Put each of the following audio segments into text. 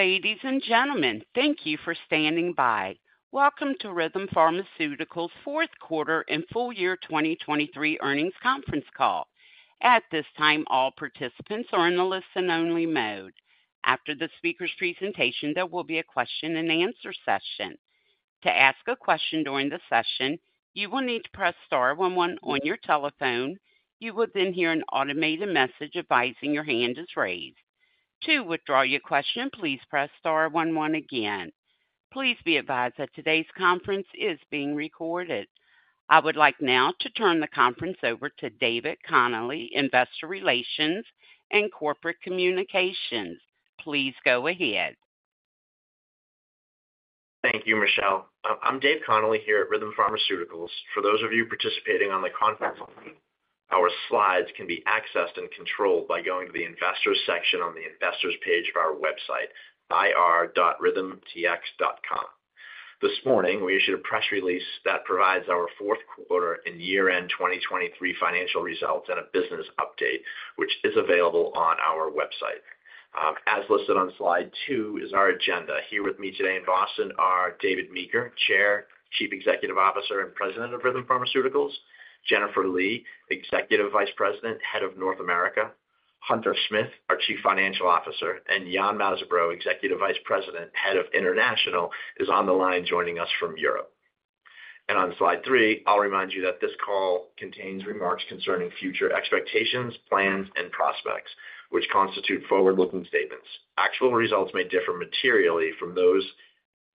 Ladies and gentlemen, thank you for standing by. Welcome to Rhythm Pharmaceuticals' fourth quarter and full year 2023 earnings conference call. At this time, all participants are in the listen-only mode. After the speaker's presentation, there will be a question-and-answer session. To ask a question during the session, you will need to press star one one on your telephone. You will then hear an automated message advising your hand is raised. To withdraw your question, please press star one one again. Please be advised that today's conference is being recorded. I would like now to turn the conference over to David Connolly, Investor Relations and Corporate Communications. Please go ahead. Thank you, Michelle. I'm David Connolly here at Rhythm Pharmaceuticals. For those of you participating on the conference call, our slides can be accessed and controlled by going to the Investors section on the Investors page of our website, ir.rhythmpharma.com. This morning, we issued a press release that provides our fourth quarter and year-end 2023 financial results and a business update, which is available on our website. As listed on slide two is our agenda. Here with me today in Boston are David Meeker, Chair, Chief Executive Officer and President of Rhythm Pharmaceuticals; Jennifer Lee, Executive Vice President, Head of North America; Hunter Smith, our Chief Financial Officer; and Yann Mazabraud, Executive Vice President, Head of International, is on the line joining us from Europe. On slide three, I'll remind you that this call contains remarks concerning future expectations, plans, and prospects, which constitute forward-looking statements. Actual results may differ materially from those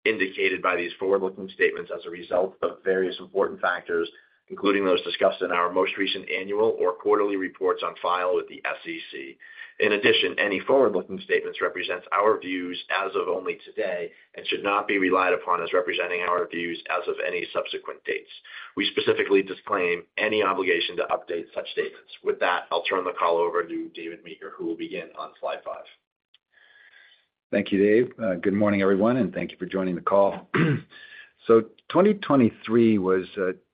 indicated by these forward-looking statements as a result of various important factors, including those discussed in our most recent annual or quarterly reports on file with the SEC. In addition, any forward-looking statements represents our views as of only today and should not be relied upon as representing our views as of any subsequent dates. We specifically disclaim any obligation to update such statements. With that, I'll turn the call over to David Meeker, who will begin on slide five. Thank you, Dave. Good morning, everyone, and thank you for joining the call. So 2023 was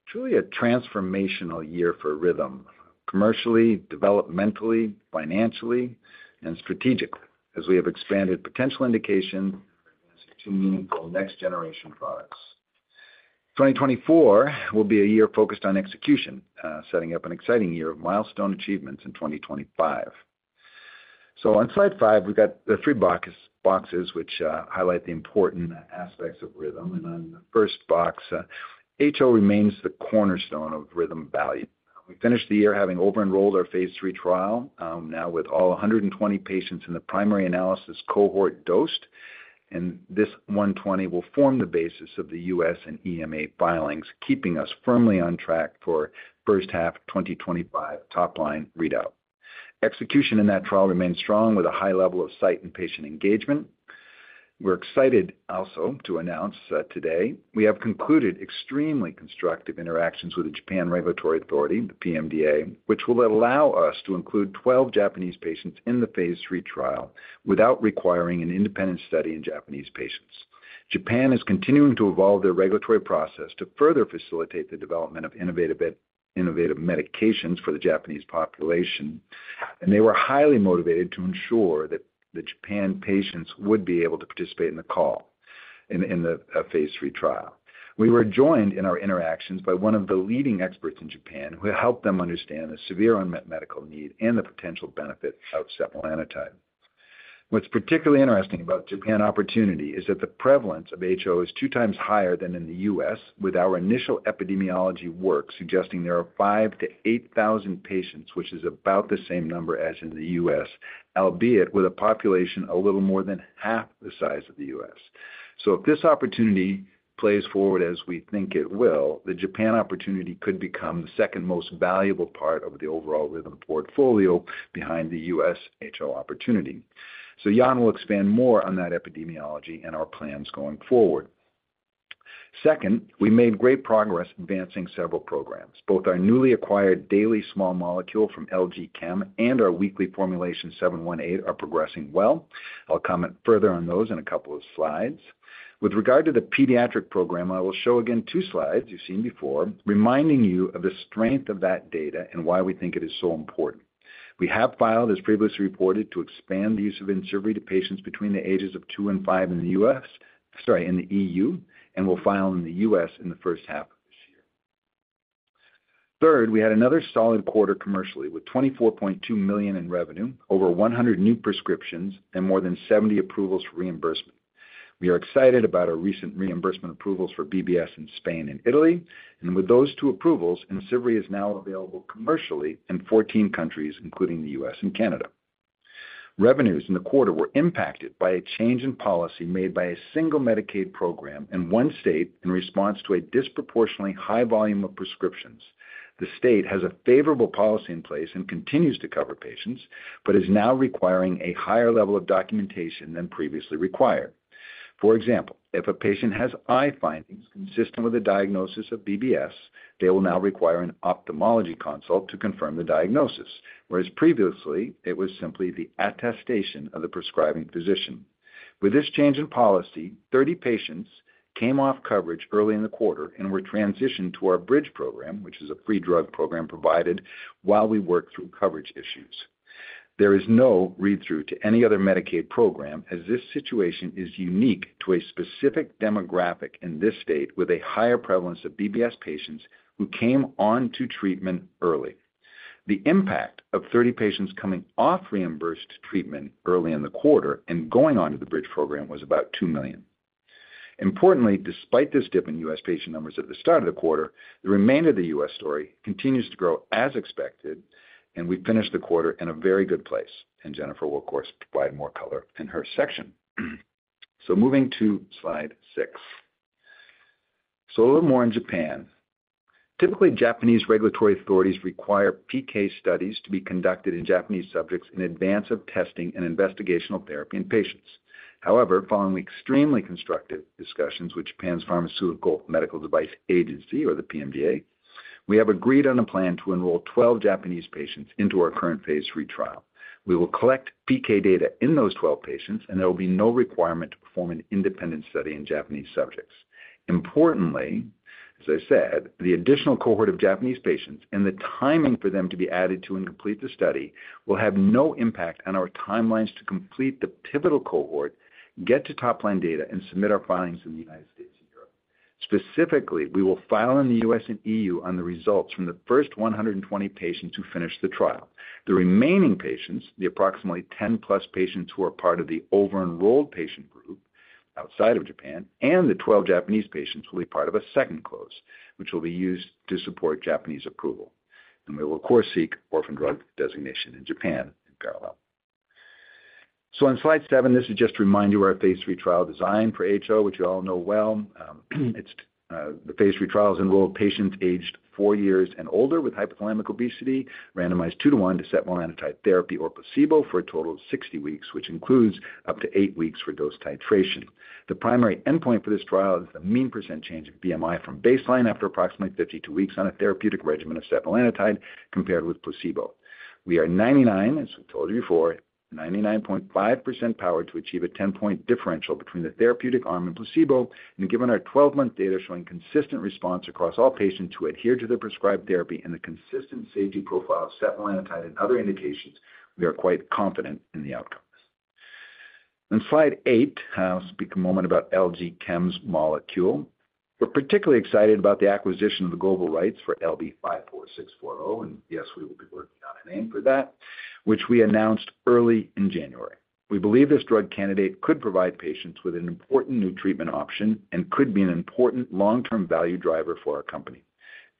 truly a transformational year for Rhythm, commercially, developmentally, financially, and strategically, as we have expanded potential indications for advancing two meaningful next-generation products. 2024 will be a year focused on execution, setting up an exciting year of milestone achievements in 2025. So on slide five, we've got the three boxes, which highlight the important aspects of Rhythm. And on the first box, HO remains the cornerstone of Rhythm value. We finished the year having over-enrolled our phase III trial, now with all 120 patients in the primary analysis cohort dosed. And this 120 will form the basis of the U.S. and EMA filings, keeping us firmly on track for first-half 2025 top-line readout. Execution in that trial remained strong, with a high level of site and patient engagement. We're excited also to announce today we have concluded extremely constructive interactions with the Japanese Regulatory Authority, the PMDA, which will allow us to include 12 Japanese patients in the phase III trial without requiring an independent study in Japanese patients. Japan is continuing to evolve their regulatory process to further facilitate the development of innovative medications for the Japanese population, and they were highly motivated to ensure that the Japanese patients would be able to participate in the clinical trial. We were joined in our interactions by one of the leading experts in Japan, who helped them understand the severe unmet medical need and the potential benefit of setmelanotide. What's particularly interesting about Japan Opportunity is that the prevalence of HO is two times higher than in the U.S., with our initial epidemiology work suggesting there are 5,000 to 8,000 patients, which is about the same number as in the U.S., albeit with a population a little more than half the size of the U.S. So if this opportunity plays forward as we think it will, the Japan Opportunity could become the second most valuable part of the overall Rhythm portfolio behind the U.S. HO Opportunity. So Yann will expand more on that epidemiology and our plans going forward. Second, we made great progress advancing several programs. Both our newly acquired daily small molecule from LG Chem and our weekly formulation 718 are progressing well. I'll comment further on those in a couple of slides. With regard to the pediatric program, I will show again two slides you've seen before, reminding you of the strength of that data and why we think it is so important. We have filed, as previously reported, to expand the use of IMCIVREE to patients between the ages of two and five in the U.S., sorry, in the EU, and will file in the U.S. in the first half of this year. Third, we had another solid quarter commercially, with $24.2 million in revenue, over 100 new prescriptions, and more than 70 approvals for reimbursement. We are excited about our recent reimbursement approvals for BBS in Spain and Italy. And with those two approvals, IMCIVREE is now available commercially in 14 countries, including the U.S. and Canada. Revenues in the quarter were impacted by a change in policy made by a single Medicaid program in one state in response to a disproportionately high volume of prescriptions. The state has a favorable policy in place and continues to cover patients, but is now requiring a higher level of documentation than previously required. For example, if a patient has eye findings consistent with a diagnosis of BBS, they will now require an ophthalmology consult to confirm the diagnosis, whereas previously it was simply the attestation of the prescribing physician. With this change in policy, 30 patients came off coverage early in the quarter and were transitioned to our Bridge program, which is a free drug program provided while we worked through coverage issues. There is no read-through to any other Medicaid program, as this situation is unique to a specific demographic in this state with a higher prevalence of BBS patients who came on to treatment early. The impact of 30 patients coming off reimbursed treatment early in the quarter and going on to the Bridge program was about $2 million. Importantly, despite this dip in U.S. patient numbers at the start of the quarter, the remainder of the U.S. story continues to grow as expected, and we finished the quarter in a very good place. And Jennifer will, of course, provide more color in her section. Moving to slide six. A little more on Japan. Typically, Japanese regulatory authorities require PK studies to be conducted in Japanese subjects in advance of testing and investigational therapy in patients. However, following extremely constructive discussions with Japan's Pharmaceuticals and Medical Devices Agency, or the PMDA, we have agreed on a plan to enroll 12 Japanese patients into our current phase III trial. We will collect PK data in those 12 patients, and there will be no requirement to perform an independent study in Japanese subjects. Importantly, as I said, the additional cohort of Japanese patients and the timing for them to be added to and complete the study will have no impact on our timelines to complete the pivotal cohort, get to top-line data, and submit our filings in the United States and Europe. Specifically, we will file in the U.S. and EU on the results from the first 120 patients who finish the trial. The remaining patients, the approximately 10+ patients who are part of the over-enrolled patient group outside of Japan, and the 12 Japanese patients will be part of a second close, which will be used to support Japanese approval. We will, of course, seek orphan drug designation in Japan in parallel. On slide seven, this would just remind you of our phase III trial design for HO, which you all know well. The phase III trial is enrolled patients aged four years and older with hypothalamic obesity, randomized 2:1 to setmelanotide therapy or placebo for a total of 60 weeks, which includes up to eight weeks for dose titration. The primary endpoint for this trial is the mean percent change of BMI from baseline after approximately 52 weeks on a therapeutic regimen of setmelanotide compared with placebo. We are 99%, as we told you before, 99.5% powered to achieve a 10-point differential between the therapeutic arm and placebo. And given our 12-month data showing consistent response across all patients who adhere to their prescribed therapy and the consistent safety profile of setmelanotide and other indications, we are quite confident in the outcomes. On slide eight, I'll speak a moment about LG Chem's molecule. We're particularly excited about the acquisition of the global rights for LB54640, and yes, we will be working on a name for that, which we announced early in January. We believe this drug candidate could provide patients with an important new treatment option and could be an important long-term value driver for our company.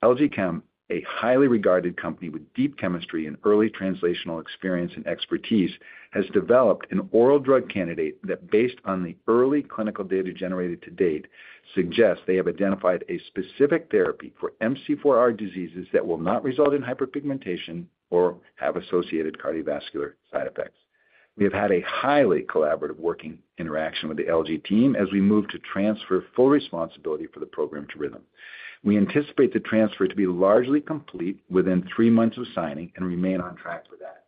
LG Chem, a highly regarded company with deep chemistry and early translational experience and expertise, has developed an oral drug candidate that, based on the early clinical data generated to date, suggests they have identified a specific therapy for MC4R diseases that will not result in hyperpigmentation or have associated cardiovascular side effects. We have had a highly collaborative working interaction with the LG team as we move to transfer full responsibility for the program to Rhythm. We anticipate the transfer to be largely complete within three months of signing and remain on track for that.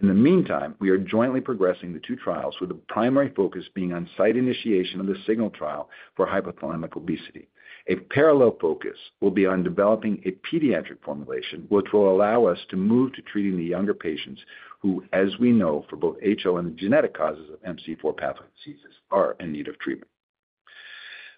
In the meantime, we are jointly progressing the two trials, with the primary focus being on site initiation of the signal trial for hypothalamic obesity. A parallel focus will be on developing a pediatric formulation, which will allow us to move to treating the younger patients who, as we know for both HO and the genetic causes of MC4R pathway diseases, are in need of treatment.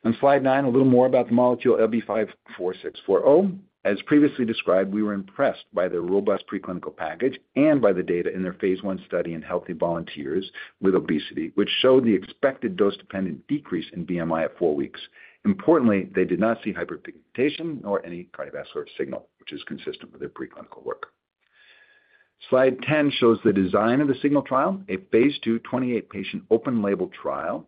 On slide nine, a little more about the molecule LB54640. As previously described, we were impressed by their robust preclinical package and by the data in their phase I study in healthy volunteers with obesity, which showed the expected dose-dependent decrease in BMI at four weeks. Importantly, they did not see hyperpigmentation nor any cardiovascular signal, which is consistent with their preclinical work. Slide 10 shows the design of the signal trial, a phase II, 28-patient open-label trial,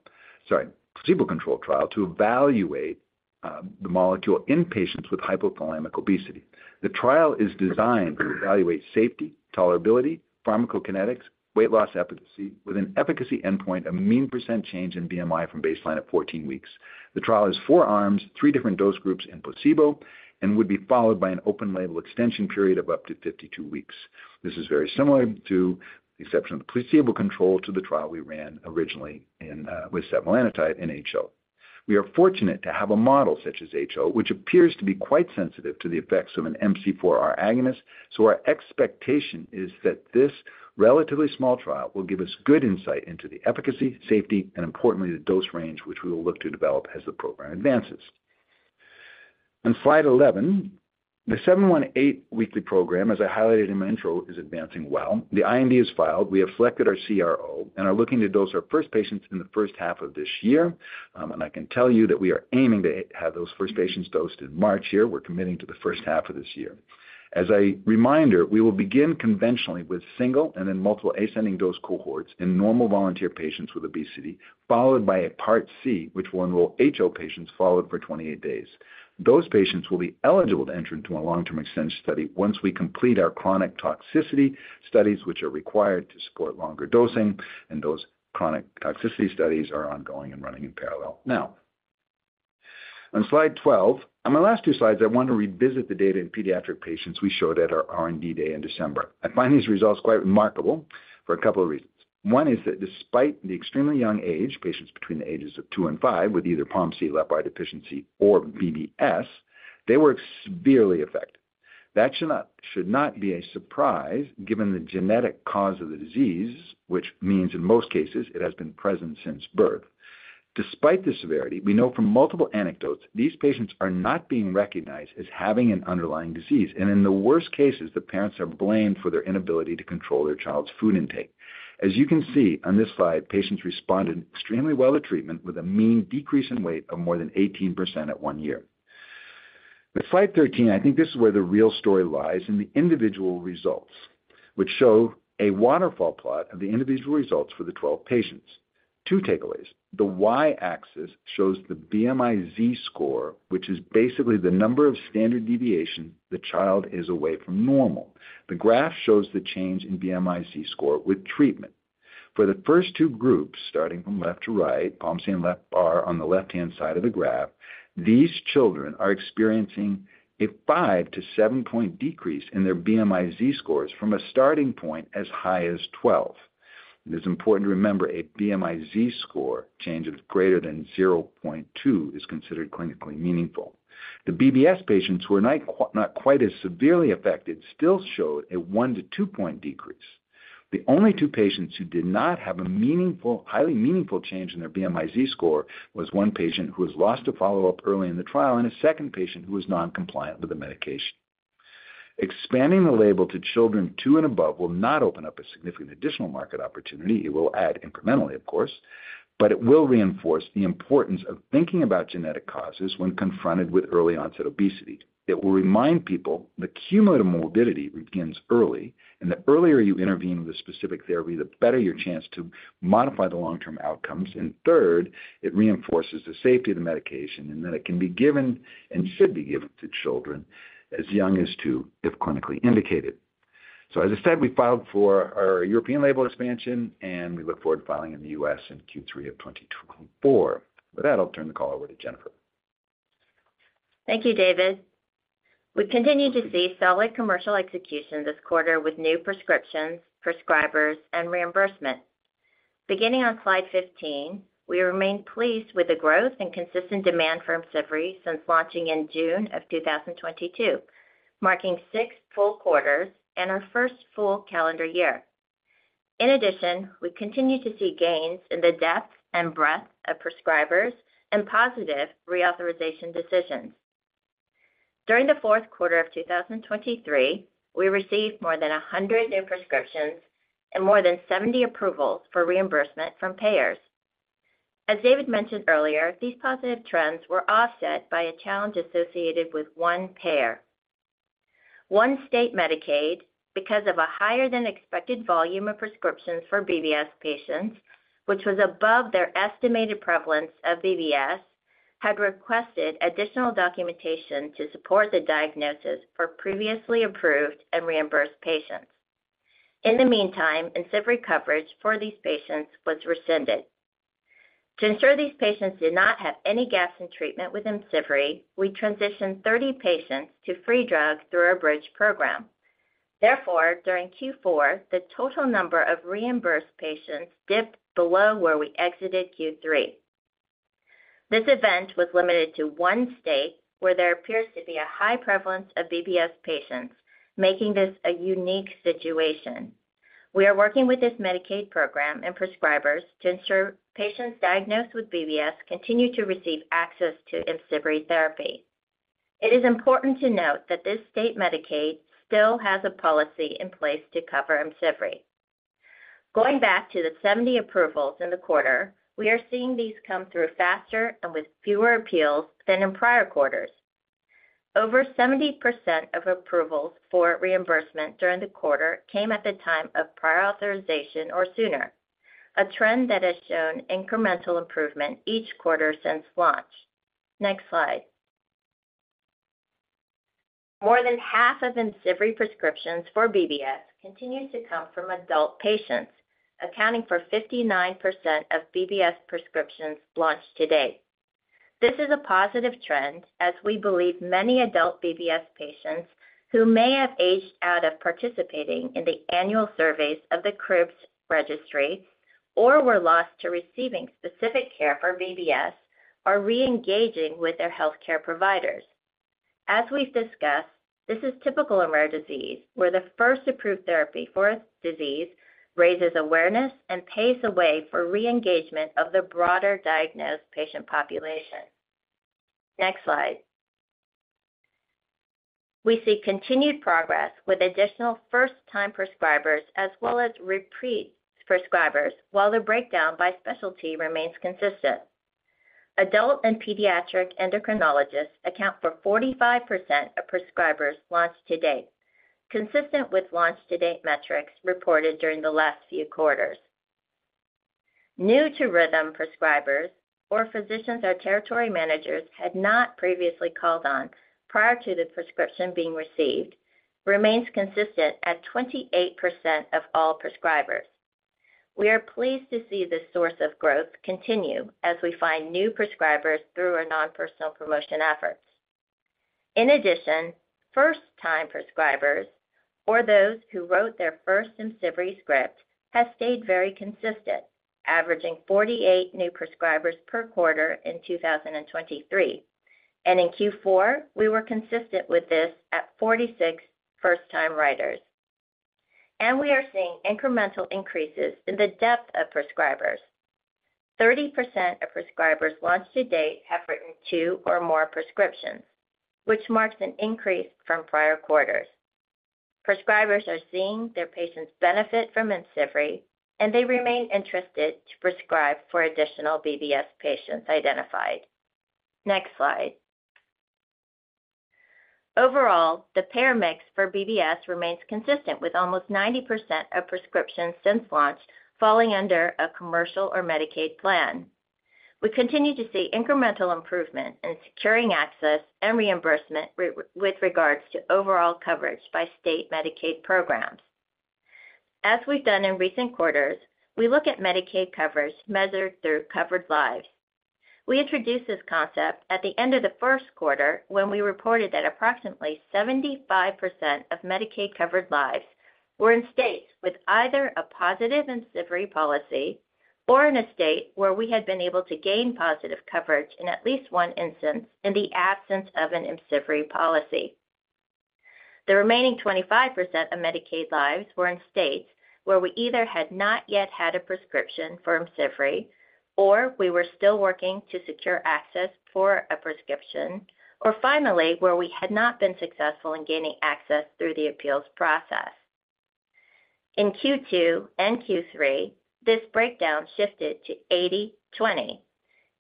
sorry, placebo-controlled trial, to evaluate the molecule in patients with hypothalamic obesity. The trial is designed to evaluate safety, tolerability, pharmacokinetics, and weight loss efficacy with an efficacy endpoint of mean percent change in BMI from baseline at 14 weeks. The trial is four arms, three different dose groups, and placebo, and would be followed by an open-label extension period of up to 52 weeks. This is very similar, to the exception of the placebo control, to the trial we ran originally with setmelanotide in HO. We are fortunate to have a model such as HO, which appears to be quite sensitive to the effects of an MC4R agonist. So our expectation is that this relatively small trial will give us good insight into the efficacy, safety, and importantly, the dose range, which we will look to develop as the program advances. On slide 11, the RM-718 weekly program, as I highlighted in my intro, is advancing well. The IND is filed. We have selected our CRO and are looking to dose our first patients in the first half of this year. I can tell you that we are aiming to have those first patients dosed in March here. We're committing to the first half of this year. As a reminder, we will begin conventionally with single and then multiple ascending dose cohorts in normal volunteer patients with obesity, followed by a part C, which will enroll HO patients followed for 28 days. Those patients will be eligible to enter into a long-term extension study once we complete our chronic toxicity studies, which are required to support longer dosing. Those chronic toxicity studies are ongoing and running in parallel now. On slide 12, on my last two slides, I want to revisit the data in pediatric patients we showed at our R&D day in December. I find these results quite remarkable for a couple of reasons. One is that despite the extremely young age, patients between the ages of two and five with either POMC, LEPR deficiency, or BBS, they were severely affected. That should not be a surprise given the genetic cause of the disease, which means in most cases, it has been present since birth. Despite the severity, we know from multiple anecdotes these patients are not being recognized as having an underlying disease. In the worst cases, the parents are blamed for their inability to control their child's food intake. As you can see on this slide, patients responded extremely well to treatment with a mean decrease in weight of more than 18% at one year. With slide 13, I think this is where the real story lies in the individual results, which show a waterfall plot of the individual results for the 12 patients. two takeaways. The Y-axis shows the BMI-Z score, which is basically the number of standard deviations the child is away from normal. The graph shows the change in BMI-Z score with treatment. For the first two groups, starting from left to right, POMC and left bar on the left-hand side of the graph, these children are experiencing a five-seven point decrease in their BMI-Z scores from a starting point as high as 12. It is important to remember a BMI-Z score change of greater than 0.2 is considered clinically meaningful. The BBS patients who are not quite as severely affected still showed a one-two point decrease. The only two patients who did not have a meaningful, highly meaningful change in their BMI-Z score was one patient who was lost to follow-up early in the trial and a second patient who was noncompliant with the medication. Expanding the label to children two and above will not open up a significant additional market opportunity. It will add incrementally, of course, but it will reinforce the importance of thinking about genetic causes when confronted with early onset obesity. It will remind people the cumulative morbidity begins early, and the earlier you intervene with a specific therapy, the better your chance to modify the long-term outcomes. And third, it reinforces the safety of the medication and that it can be given and should be given to children as young as two, if clinically indicated. So as I said, we filed for our European label expansion, and we look forward to filing in the U.S. in Q3 of 2024. With that, I'll turn the call over to Jennifer. Thank you, David. We continue to see solid commercial execution this quarter with new prescriptions, prescribers, and reimbursement. Beginning on slide 15, we remain pleased with the growth and consistent demand for IMCIVREE since launching in June of 2022, marking six full quarters and our first full calendar year. In addition, we continue to see gains in the depth and breadth of prescribers and positive reauthorization decisions. During the fourth quarter of 2023, we received more than 100 new prescriptions and more than 70 approvals for reimbursement from payers. As David mentioned earlier, these positive trends were offset by a challenge associated with one payer. One state Medicaid, because of a higher than expected volume of prescriptions for BBS patients, which was above their estimated prevalence of BBS, had requested additional documentation to support the diagnosis for previously approved and reimbursed patients. In the meantime, IMCIVREE coverage for these patients was rescinded. To ensure these patients did not have any gaps in treatment with IMCIVREE, we transitioned 30 patients to free drug through our Bridge program. Therefore, during Q4, the total number of reimbursed patients dipped below where we exited Q3. This event was limited to one state where there appears to be a high prevalence of BBS patients, making this a unique situation. We are working with this Medicaid program and prescribers to ensure patients diagnosed with BBS continue to receive access to IMCIVREE therapy. It is important to note that this state Medicaid still has a policy in place to cover IMCIVREE. Going back to the 70 approvals in the quarter, we are seeing these come through faster and with fewer appeals than in prior quarters. Over 70% of approvals for reimbursement during the quarter came at the time of prior authorization or sooner, a trend that has shown incremental improvement each quarter since launch. Next slide. More than half of IMCIVREE prescriptions for BBS continues to come from adult patients, accounting for 59% of BBS prescriptions launched today. This is a positive trend as we believe many adult BBS patients who may have aged out of participating in the annual surveys of the CRIBBS registry or were lost to receiving specific care for BBS are reengaging with their healthcare providers. As we've discussed, this is typical of rare disease where the first approved therapy for a disease raises awareness and paves the way for reengagement of the broader diagnosed patient population. Next slide. We see continued progress with additional first-time prescribers as well as repeat prescribers while the breakdown by specialty remains consistent. Adult and pediatric endocrinologists account for 45% of prescribers launched to date, consistent with launch-to-date metrics reported during the last few quarters. New to Rhythm prescribers, or physicians or territory managers had not previously called on prior to the prescription being received, remains consistent at 28% of all prescribers. We are pleased to see this source of growth continue as we find new prescribers through our nonpersonal promotion efforts. In addition, first-time prescribers, or those who wrote their first IMCIVREE script, have stayed very consistent, averaging 48 new prescribers per quarter in 2023. In Q4, we were consistent with this at 46 first-time writers. We are seeing incremental increases in the depth of prescribers. 30% of prescribers launched to date have written two or more prescriptions, which marks an increase from prior quarters. Prescribers are seeing their patients benefit from IMCIVREE, and they remain interested to prescribe for additional BBS patients identified. Next slide. Overall, the payer mix for BBS remains consistent with almost 90% of prescriptions since launch falling under a commercial or Medicaid plan. We continue to see incremental improvement in securing access and reimbursement with regards to overall coverage by state Medicaid programs. As we've done in recent quarters, we look at Medicaid coverage measured through covered lives. We introduced this concept at the end of the first quarter when we reported that approximately 75% of Medicaid-covered lives were in states with either a positive IMCIVREE policy or in a state where we had been able to gain positive coverage in at least one instance in the absence of an IMCIVREE policy. The remaining 25% of Medicaid lives were in states where we either had not yet had a prescription for IMCIVREE or we were still working to secure access for a prescription, or finally where we had not been successful in gaining access through the appeals process. In Q2 and Q3, this breakdown shifted to 80/20,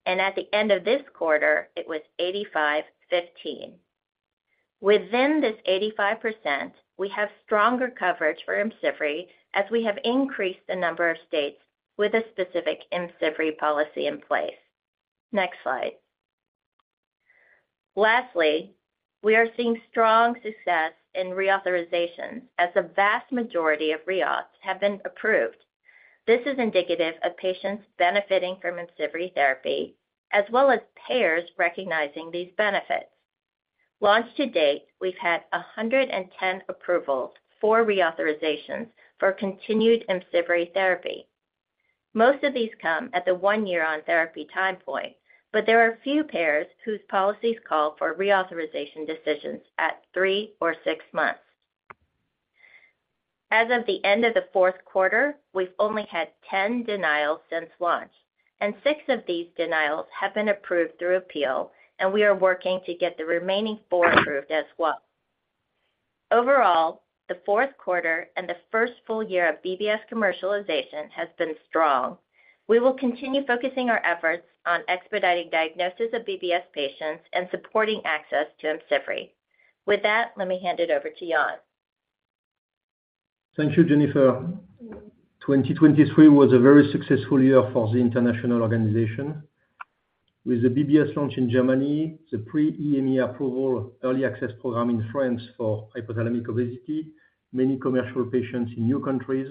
and at the end of this quarter, it was 85/15. Within this 85%, we have stronger coverage for IMCIVREE as we have increased the number of states with a specific IMCIVREE policy in place. Next slide. Lastly, we are seeing strong success in reauthorizations as the vast majority of reauths have been approved. This is indicative of patients benefiting from IMCIVREE therapy as well as payers recognizing these benefits. Launched to date, we've had 110 approvals for reauthorizations for continued IMCIVREE therapy. Most of these come at the one-year-on therapy time point, but there are few payers whose policies call for reauthorization decisions at three or six months. As of the end of the fourth quarter, we've only had 10 denials since launch, and six of these denials have been approved through appeal, and we are working to get the remaining four approved as well. Overall, the fourth quarter and the first full year of BBS commercialization has been strong. We will continue focusing our efforts on expediting diagnosis of BBS patients and supporting access to IMCIVREE. With that, let me hand it over to Yann. Thank you, Jennifer. 2023 was a very successful year for the international organization. With the BBS launch in Germany, the pre-EMA approval early access program in France for hypothalamic obesity, many commercial patients in new countries,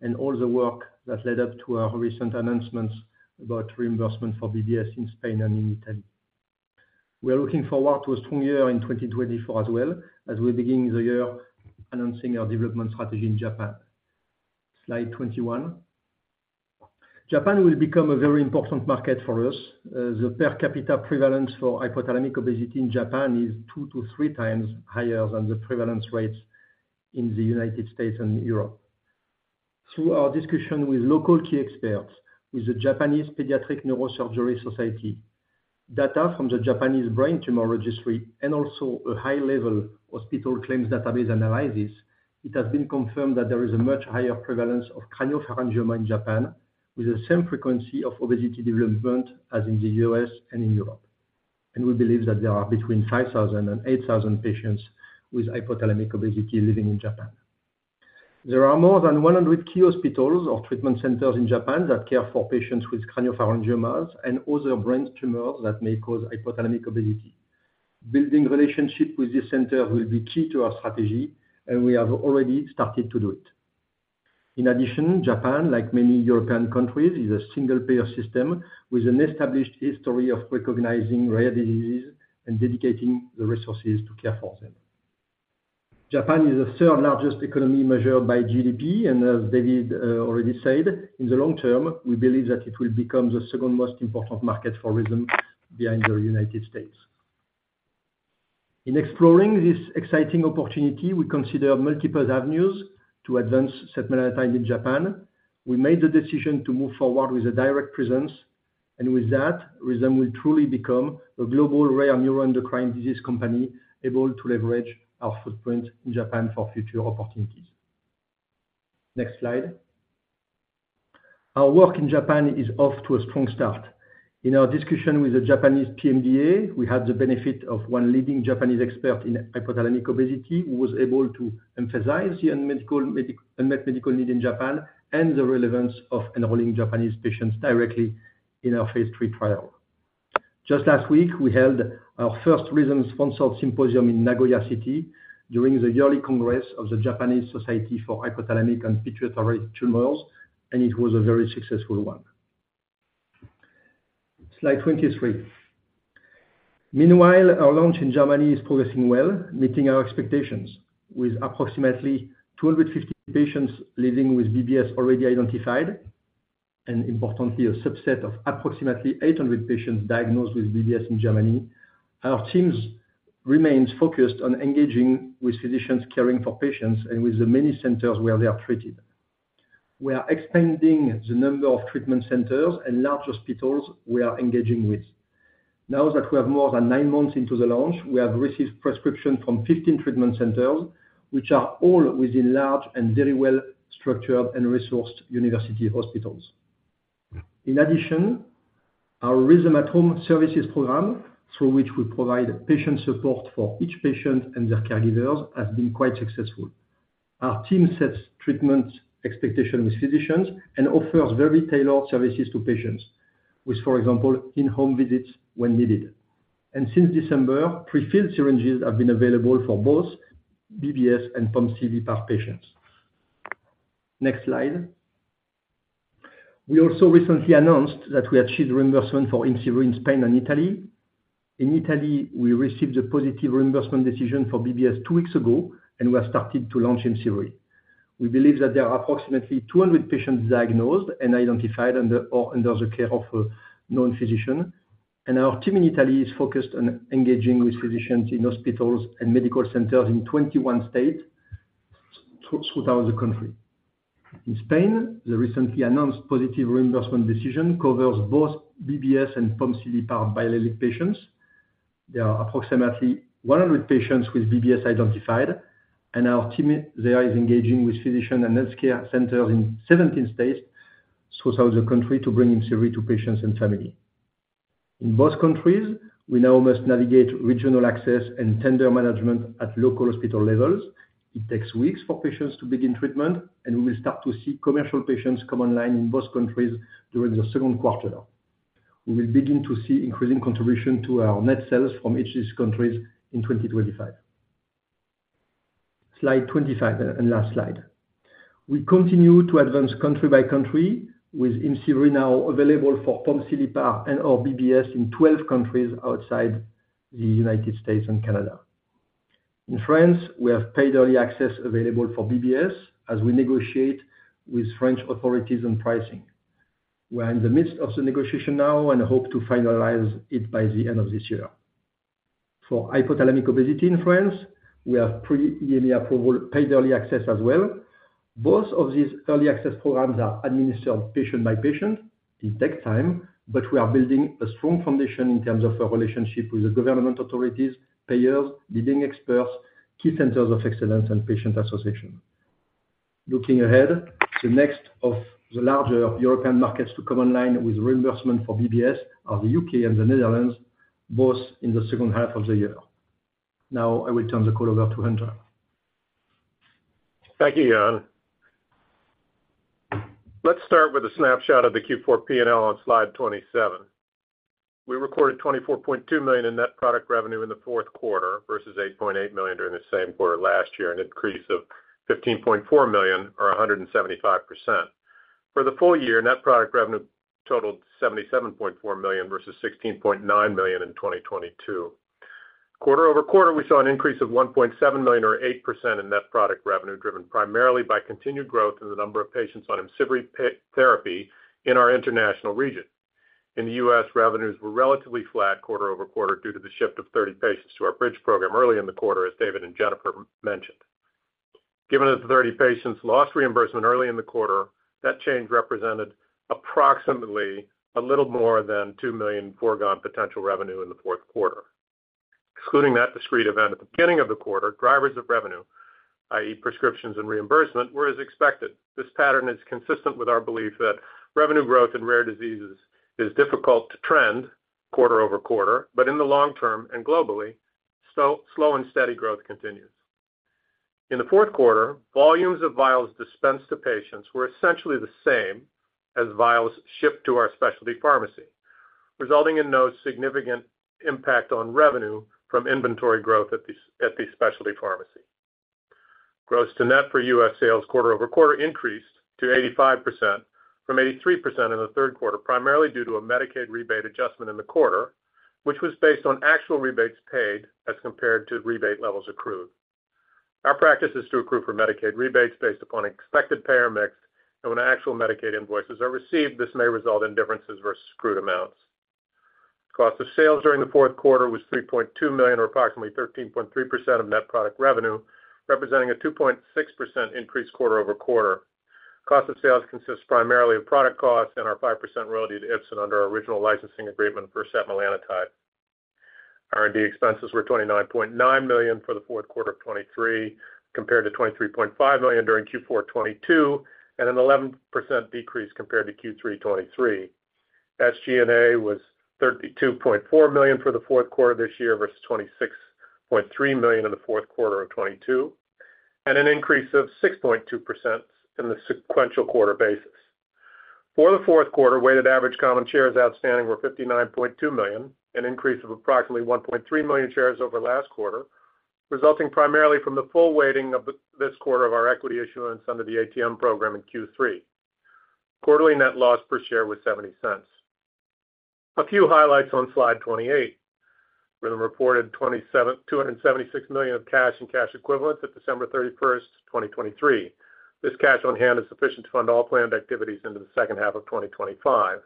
and all the work that led up to our recent announcements about reimbursement for BBS in Spain and in Italy. We are looking forward to a strong year in 2024 as well, as we're beginning the year announcing our development strategy in Japan. Slide 21. Japan will become a very important market for us. The per capita prevalence for hypothalamic obesity in Japan is two-three times higher than the prevalence rates in the United States and Europe. Through our discussion with local key experts, with the Japanese Pediatric Neurosurgery Society, data from the Japanese Brain Tumor Registry, and also a high-level hospital claims database analysis, it has been confirmed that there is a much higher prevalence of craniopharyngioma in Japan with the same frequency of obesity development as in the U.S. and in Europe. We believe that there are between 5,000 and 8,000 patients with hypothalamic obesity living in Japan. There are more than 100 key hospitals or treatment centers in Japan that care for patients with craniopharyngiomas and other brain tumors that may cause hypothalamic obesity. Building relationships with these centers will be key to our strategy, and we have already started to do it. In addition, Japan, like many European countries, is a single-payer system with an established history of recognizing rare diseases and dedicating the resources to care for them. Japan is the third-largest economy measured by GDP, and as David already said, in the long term, we believe that it will become the second-most important market for Rhythm behind the United States. In exploring this exciting opportunity, we considered multiple avenues to advance setmelanotide in Japan. We made the decision to move forward with a direct presence, and with that, Rhythm will truly become a global rare neuroendocrine disease company able to leverage our footprint in Japan for future opportunities. Next slide. Our work in Japan is off to a strong start. In our discussion with the Japanese PMDA, we had the benefit of one leading Japanese expert in hypothalamic obesity who was able to emphasize the unmet medical need in Japan and the relevance of enrolling Japanese patients directly in our phase III trial. Just last week, we held our first Rhythm sponsored symposium in Nagoya City during the yearly congress of the Japanese Society for Hypothalamic and Pituitary Tumors, and it was a very successful one. Slide 23. Meanwhile, our launch in Germany is progressing well, meeting our expectations. With approximately 250 patients living with BBS already identified, and importantly, a subset of approximately 800 patients diagnosed with BBS in Germany, our teams remain focused on engaging with physicians caring for patients and with the many centers where they are treated. We are expanding the number of treatment centers and large hospitals we are engaging with. Now that we have more than nine months into the launch, we have received prescriptions from 15 treatment centers, which are all within large and very well-structured and resourced university hospitals. In addition, our Rhythm at Home services program, through which we provide patient support for each patient and their caregivers, has been quite successful. Our team sets treatment expectations with physicians and offers very tailored services to patients, with, for example, in-home visits when needed. Since December, prefilled syringes have been available for both BBS and POMC, PCSK1, LEPR patients. Next slide. We also recently announced that we achieved reimbursement for IMCIVREE in Spain and Italy. In Italy, we received a positive reimbursement decision for BBS two weeks ago, and we have started to launch IMCIVREE. We believe that there are approximately 200 patients diagnosed and identified under the care of a known physician, and our team in Italy is focused on engaging with physicians in hospitals and medical centers in 21 states throughout the country. In Spain, the recently announced positive reimbursement decision covers both BBS and POMC, PCSK1, LEPR patients. There are approximately 100 patients with BBS identified, and our team there is engaging with physicians and healthcare centers in 17 states throughout the country to bring IMCIVREE to patients and family. In both countries, we now must navigate regional access and tender management at local hospital levels. It takes weeks for patients to begin treatment, and we will start to see commercial patients come online in both countries during the second quarter. We will begin to see increasing contribution to our net sales from each of these countries in 2025. Slide 25 and last slide. We continue to advance country by country with IMCIVREE now available for POMC, PCSK1, LEPR and/or BBS in 12 countries outside the United States and Canada. In France, we have paid early access available for BBS as we negotiate with French authorities on pricing. We are in the midst of the negotiation now and hope to finalize it by the end of this year. For hypothalamic obesity in France, we have Pre-EME approval paid early access as well. Both of these early access programs are administered patient by patient. It takes time, but we are building a strong foundation in terms of our relationship with the government authorities, payers, leading experts, key centers of excellence, and patient associations. Looking ahead, the next of the larger European markets to come online with reimbursement for BBS are the U.K. and the Netherlands, both in the second half of the year. Now I will turn the call over to Hunter. Thank you, Yann. Let's start with a snapshot of the Q4 P&L on slide 27. We recorded $24.2 million in net product revenue in the fourth quarter versus $8.8 million during the same quarter last year, an increase of $15.4 million or 175%. For the full year, net product revenue totaled $77.4 million versus $16.9 million in 2022. Quarter-over-quarter, we saw an increase of $1.7 million or 8% in net product revenue driven primarily by continued growth in the number of patients on IMCIVREE therapy in our international region. In the U.S., revenues were relatively flat quarter-over-quarter due to the shift of 30 patients to our bridge program early in the quarter, as David and Jennifer mentioned. Given the 30 patients lost reimbursement early in the quarter, that change represented approximately a little more than $2 million foregone potential revenue in the fourth quarter. Excluding that discrete event at the beginning of the quarter, drivers of revenue, i.e., prescriptions and reimbursement, were as expected. This pattern is consistent with our belief that revenue growth in rare diseases is difficult to trend quarter-over-quarter, but in the long term and globally, slow and steady growth continues. In the fourth quarter, volumes of vials dispensed to patients were essentially the same as vials shipped to our specialty pharmacy, resulting in no significant impact on revenue from inventory growth at the specialty pharmacy. Gross to net for U.S. sales quarter-over-quarter increased to 85% from 83% in the third quarter, primarily due to a Medicaid rebate adjustment in the quarter, which was based on actual rebates paid as compared to rebate levels accrued. Our practice is to accrue for Medicaid rebates based upon expected payer mix, and when actual Medicaid invoices are received, this may result in differences versus accrued amounts. Cost of sales during the fourth quarter was $3.2 million or approximately 13.3% of net product revenue, representing a 2.6% increase quarter-over-quarter. Cost of sales consists primarily of product cost and our 5% royalty to Ipsen under our original licensing agreement for setmelanotide. R&D expenses were $29.9 million for the fourth quarter of 2023 compared to $23.5 million during Q4 2022 and an 11% decrease compared to Q3 2023. SG&A was $32.4 million for the fourth quarter this year versus $26.3 million in the fourth quarter of 2022 and an increase of 6.2% in the sequential quarter basis. For the fourth quarter, weighted average common shares outstanding were 59.2 million, an increase of approximately 1.3 million shares over last quarter, resulting primarily from the full weighting of this quarter of our equity issuance under the ATM program in Q3. Quarterly net loss per share was $0.70. A few highlights on slide 28. Rhythm reported $276 million of cash and cash equivalents at December 31st, 2023. This cash on hand is sufficient to fund all planned activities into the second half of 2025.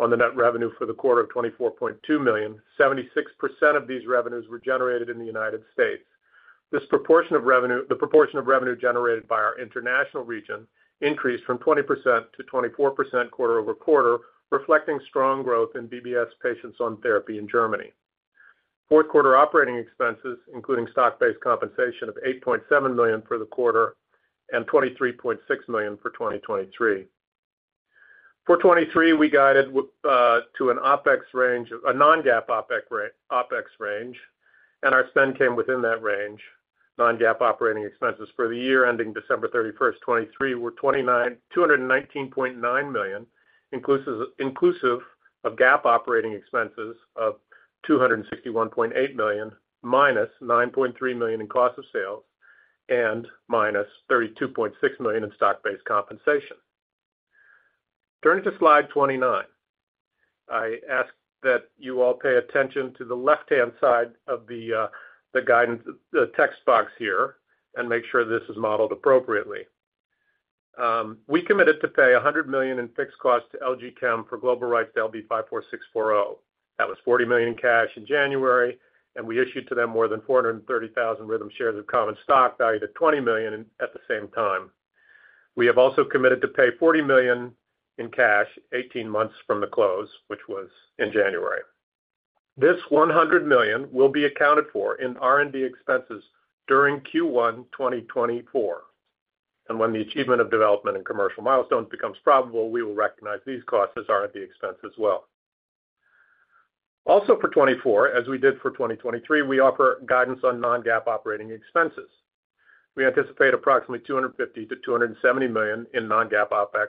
On the net revenue for the quarter of $24.2 million, 76% of these revenues were generated in the United States. This proportion of revenue the proportion of revenue generated by our international region increased from 20%-24% quarter-over-quarter, reflecting strong growth in BBS patients on therapy in Germany. Fourth quarter operating expenses, including stock-based compensation of $8.7 million for the quarter and $23.6 million for 2023. For 2023, we guided to an OPEX range of a non-GAAP OPEX range, and our spend came within that range. Non-GAAP operating expenses for the year ending December 31st, 2023 were $219.9 million, inclusive of GAAP operating expenses of $261.8 million -$9.3 million in cost of sales and -$32.6 million in stock-based compensation. Turning to slide 29. I ask that you all pay attention to the left-hand side of the guidance the text box here and make sure this is modeled appropriately. We committed to pay $100 million in fixed costs to LG Chem for global rights to LB54640. That was $40 million in cash in January, and we issued to them more than 430,000 Rhythm shares of common stock valued at $20 million at the same time. We have also committed to pay $40 million in cash 18 months from the close, which was in January. This $100 million will be accounted for in R&D expenses during Q1 2024, and when the achievement of development and commercial milestones becomes probable, we will recognize these costs as R&D expense as well. Also, for 2024, as we did for 2023, we offer guidance on non-GAAP operating expenses. We anticipate approximately $250 million-$270 million in non-GAAP OPEX,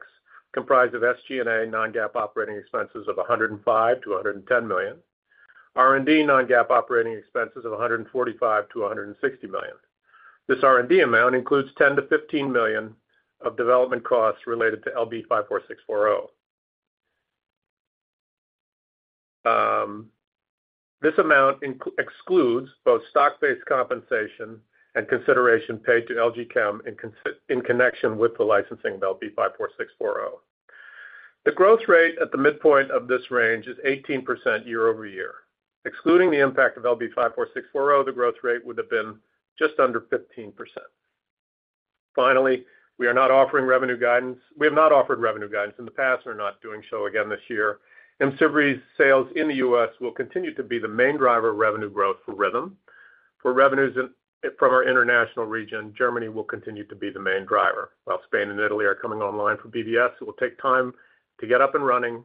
comprised of SG&A non-GAAP operating expenses of $105 million-$110 million, R&D non-GAAP operating expenses of $145 million-$160 million. This R&D amount includes $10 million-$15 million of development costs related to LB54640. This amount excludes both stock-based compensation and consideration paid to LG Chem in connection with the licensing of LB54640. The growth rate at the midpoint of this range is 18% year-over-year. Excluding the impact of LB54640, the growth rate would have been just under 15%. Finally, we are not offering revenue guidance. We have not offered revenue guidance in the past and are not doing so again this year. IMCIVREE's sales in the U.S. will continue to be the main driver of revenue growth for Rhythm. For revenues from our international region, Germany will continue to be the main driver. While Spain and Italy are coming online for BBS, it will take time to get up and running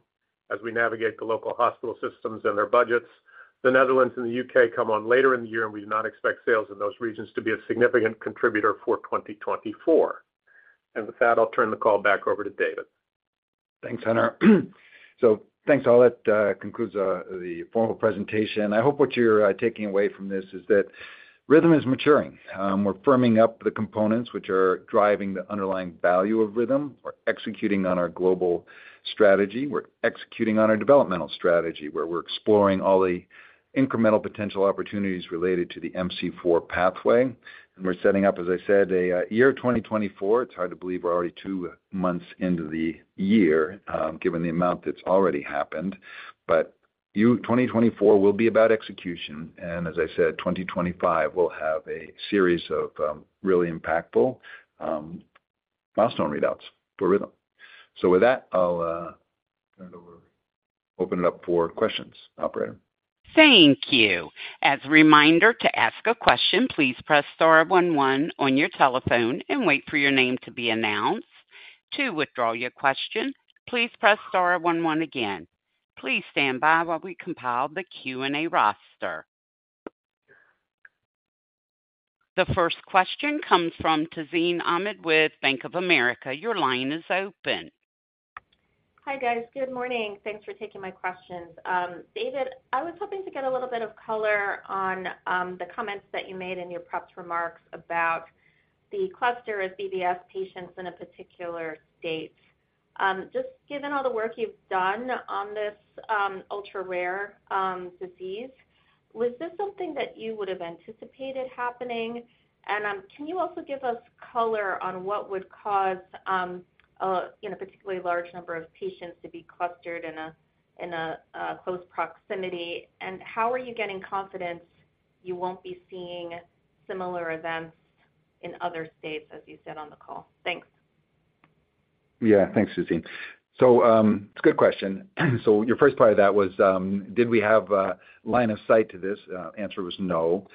as we navigate the local hospital systems and their budgets. The Netherlands and the U.K. come online later in the year, and we do not expect sales in those regions to be a significant contributor for 2024. With that, I'll turn the call back over to David. Thanks, Hunter. So thanks. All that concludes the formal presentation. I hope what you're taking away from this is that Rhythm is maturing. We're firming up the components which are driving the underlying value of Rhythm. We're executing on our global strategy. We're executing on our developmental strategy where we're exploring all the incremental potential opportunities related to the MC4 pathway. And we're setting up, as I said, a year 2024. It's hard to believe we're already two months into the year given the amount that's already happened. But 2024 will be about execution, and as I said, 2025 will have a series of really impactful milestone readouts for Rhythm. So with that, I'll turn it over, open it up for questions, operator. Thank you. As a reminder, to ask a question, please press star one one on your telephone and wait for your name to be announced. To withdraw your question, please press star one one again. Please stand by while we compile the Q&A roster. The first question comes from Tazeen Ahmad with Bank of America. Your line is open. Hi, guys. Good morning. Thanks for taking my questions. David, I was hoping to get a little bit of color on the comments that you made in your prepared remarks about the cluster of BBS patients in a particular state. Just given all the work you've done on this ultra-rare disease, was this something that you would have anticipated happening? And can you also give us color on what would cause a particularly large number of patients to be clustered in a close proximity? And how are you getting confidence you won't be seeing similar events in other states, as you said on the call? Thanks. Yeah. Thanks, Tazeen. So it's a good question. So your first part of that was, did we have a line of sight to this? Answer was no.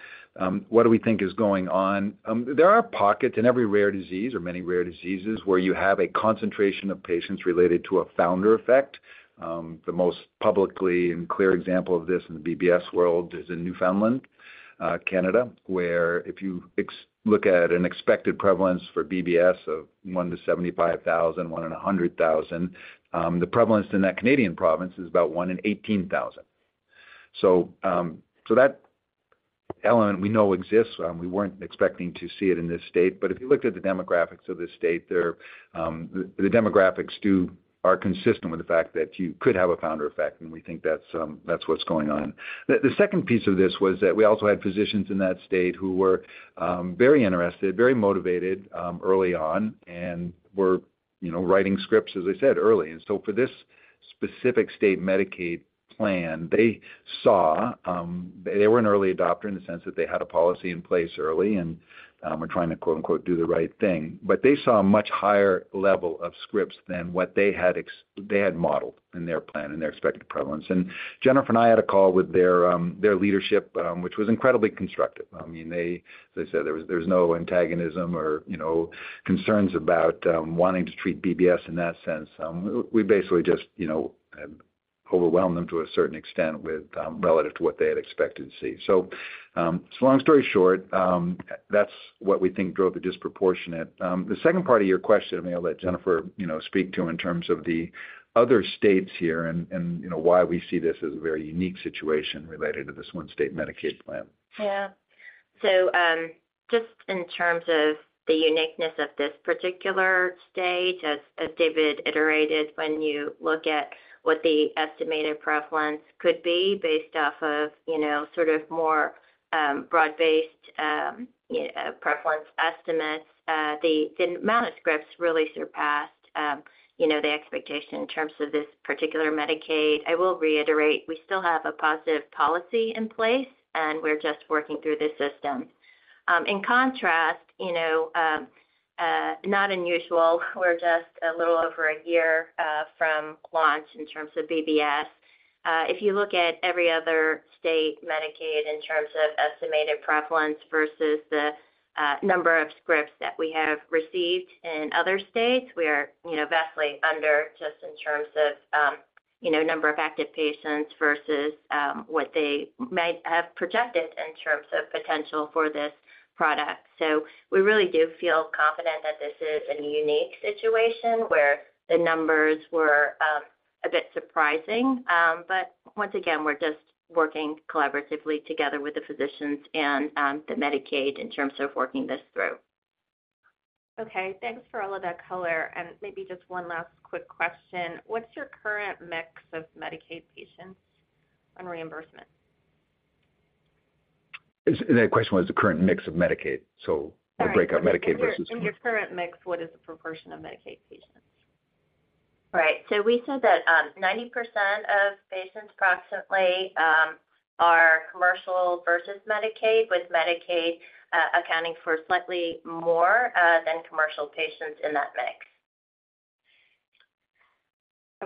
What do we think is going on? There are pockets in every rare disease or many rare diseases where you have a concentration of patients related to a founder effect. The most publicly and clear example of this in the BBS world is in Newfoundland, Canada, where if you look at an expected prevalence for BBS of one to 75,000, one in 100,000, the prevalence in that Canadian province is about one in 18,000. So that element, we know exists. We weren't expecting to see it in this state. But if you looked at the demographics of this state, the demographics are consistent with the fact that you could have a founder effect, and we think that's what's going on. The second piece of this was that we also had physicians in that state who were very interested, very motivated early on, and were writing scripts, as I said, early. And so for this specific state Medicaid plan, they saw they were an early adopter in the sense that they had a policy in place early and were trying to "do the right thing." But they saw a much higher level of scripts than what they had modeled in their plan, in their expected prevalence. And Jennifer and I had a call with their leadership, which was incredibly constructive. I mean, as I said, there was no antagonism or concerns about wanting to treat BBS in that sense. We basically just overwhelmed them to a certain extent relative to what they had expected to see. So long story short, that's what we think drove the disproportionate. The second part of your question, I mean, I'll let Jennifer speak to in terms of the other states here and why we see this as a very unique situation related to this one-state Medicaid plan. Yeah. So just in terms of the uniqueness of this particular state, as David iterated, when you look at what the estimated prevalence could be based off of sort of more broad-based prevalence estimates, the amount of scripts really surpassed the expectation in terms of this particular Medicaid. I will reiterate, we still have a positive policy in place, and we're just working through this system. In contrast, not unusual, we're just a little over a year from launch in terms of BBS. If you look at every other state Medicaid in terms of estimated prevalence versus the number of scripts that we have received in other states, we are vastly under just in terms of number of active patients versus what they might have projected in terms of potential for this product. So we really do feel confident that this is a unique situation where the numbers were a bit surprising. But once again, we're just working collaboratively together with the physicians and the Medicaid in terms of working this through. Okay. Thanks for all of that color. Maybe just one last quick question. What's your current mix of Medicaid patients on reimbursement? That question was the current mix of Medicaid, so the breakup, Medicaid versus Rhythm. All right. In your current mix, what is the proportion of Medicaid patients? Right. We said that 90% of patients approximately are commercial versus Medicaid, with Medicaid accounting for slightly more than commercial patients in that mix.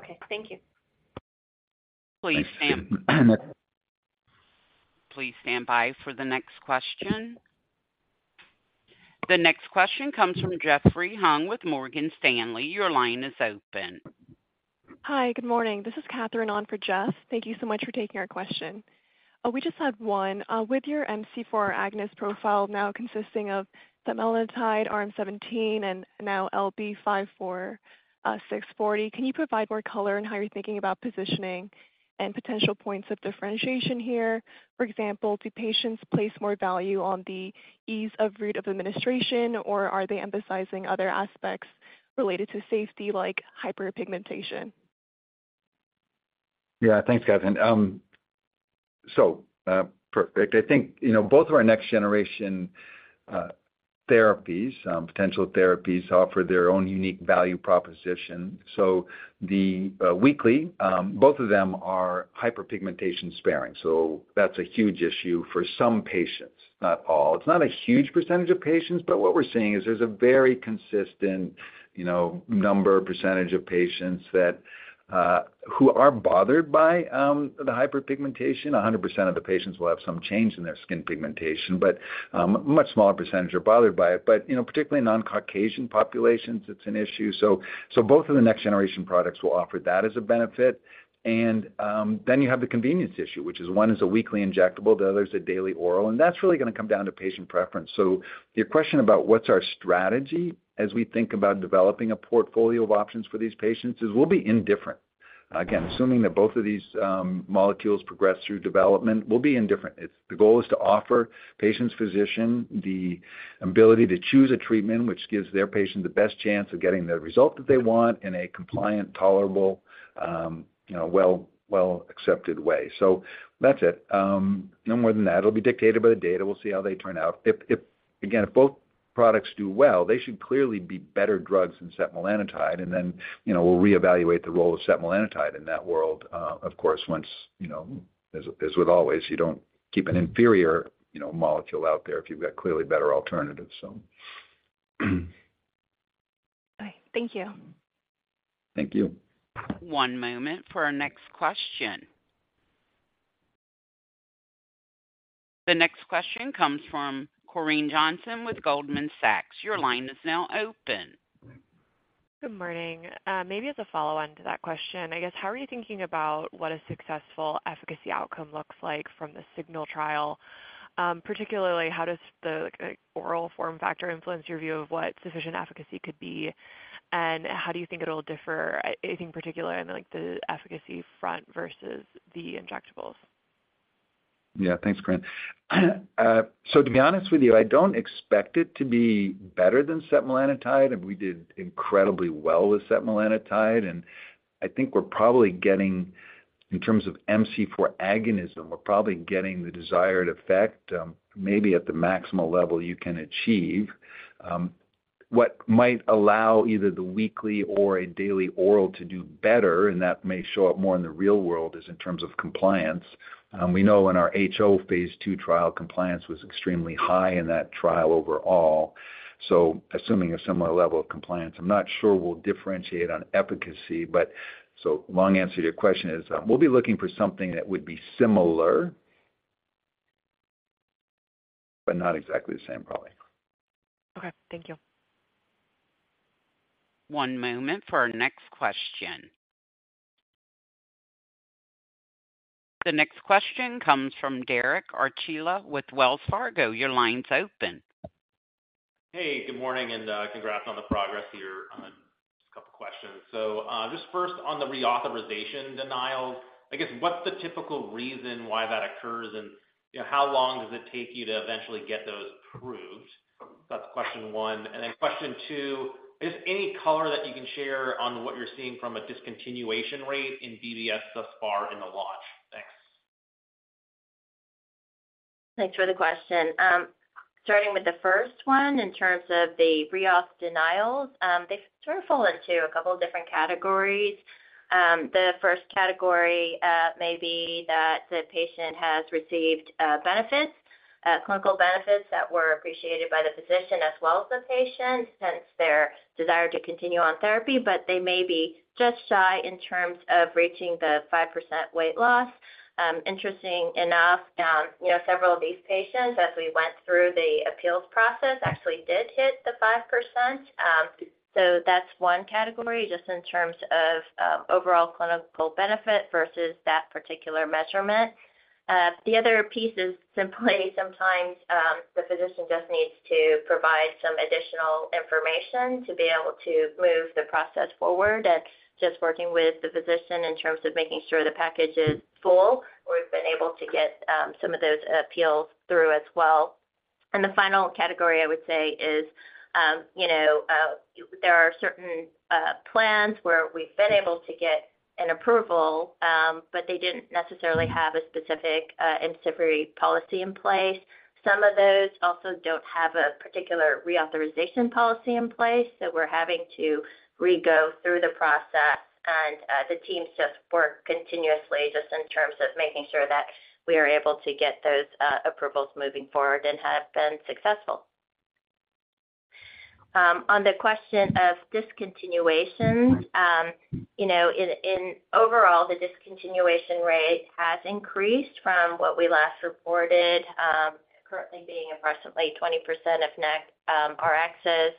Okay. Thank you. Please stand. Please stand by for the next question. The next question comes from Jeffrey Hung with Morgan Stanley. Your line is open. Hi. Good morning. This is Katherine on for Jeff. Thank you so much for taking our question. We just had one. With your MC4R agonist profile now consisting of setmelanotide, RM-718, and now LB54640, can you provide more color on how you're thinking about positioning and potential points of differentiation here? For example, do patients place more value on the ease of route of administration, or are they emphasizing other aspects related to safety like hyperpigmentation? Yeah. Thanks, Kathryn. So perfect. I think both of our next-generation therapies, potential therapies, offer their own unique value proposition. So the weekly, both of them are hyperpigmentation sparing. So that's a huge issue for some patients, not all. It's not a huge percentage of patients, but what we're seeing is there's a very consistent number, percentage of patients who are bothered by the hyperpigmentation. 100% of the patients will have some change in their skin pigmentation, but a much smaller percentage are bothered by it. But particularly non-Caucasian populations, it's an issue. So both of the next-generation products will offer that as a benefit. And then you have the convenience issue, which is one is a weekly injectable, the other is a daily oral. And that's really going to come down to patient preference. So your question about what's our strategy as we think about developing a portfolio of options for these patients is we'll be indifferent. Again, assuming that both of these molecules progress through development, we'll be indifferent. The goal is to offer patients, physician, the ability to choose a treatment which gives their patient the best chance of getting the result that they want in a compliant, tolerable, well-accepted way. So that's it. No more than that. It'll be dictated by the data. We'll see how they turn out. Again, if both products do well, they should clearly be better drugs than setmelanotide. And then we'll reevaluate the role of setmelanotide in that world, of course, once as with always, you don't keep an inferior molecule out there if you've got clearly better alternatives, so. All right. Thank you. Thank you. One moment for our next question. The next question comes from Corinne Johnson with Goldman Sachs. Your line is now open. Good morning. Maybe as a follow-on to that question, I guess, how are you thinking about what a successful efficacy outcome looks like from the Signal trial? Particularly, how does the oral form factor influence your view of what sufficient efficacy could be, and how do you think it'll differ, I think, particularly on the efficacy front versus the injectables? Yeah. Thanks, Corinne. So to be honest with you, I don't expect it to be better than setmelanotide. And we did incredibly well with setmelanotide. And I think we're probably getting in terms of MC4 agonism, we're probably getting the desired effect maybe at the maximal level you can achieve. What might allow either the weekly or a daily oral to do better, and that may show up more in the real world, is in terms of compliance. We know in our HO phase II trial, compliance was extremely high in that trial overall. So assuming a similar level of compliance, I'm not sure we'll differentiate on efficacy. But so long answer to your question is we'll be looking for something that would be similar but not exactly the same, probably. Okay. Thank you. One moment for our next question. The next question comes from Derek Archila with Wells Fargo. Your line's open. Hey. Good morning and congrats on the progress here. Just a couple of questions. So just first, on the reauthorization denials, I guess, what's the typical reason why that occurs, and how long does it take you to eventually get those approved? That's question one. And then question two, I guess, any color that you can share on what you're seeing from a discontinuation rate in BBS thus far in the launch. Thanks. Thanks for the question. Starting with the first one, in terms of the reauth denials, they sort of fall into a couple of different categories. The first category may be that the patient has received clinical benefits that were appreciated by the physician as well as the patient hence their desire to continue on therapy. But they may be just shy in terms of reaching the 5% weight loss. Interesting enough, several of these patients, as we went through the appeals process, actually did hit the 5%. So that's one category just in terms of overall clinical benefit versus that particular measurement. The other piece is simply sometimes the physician just needs to provide some additional information to be able to move the process forward. Just working with the physician in terms of making sure the package is full, we've been able to get some of those appeals through as well. The final category, I would say, is there are certain plans where we've been able to get an approval, but they didn't necessarily have a specific indication policy in place. Some of those also don't have a particular reauthorization policy in place. We're having to go through the process, and the teams just work continuously just in terms of making sure that we are able to get those approvals moving forward and have been successful. On the question of discontinuations, overall, the discontinuation rate has increased from what we last reported, currently being approximately 20% of our access.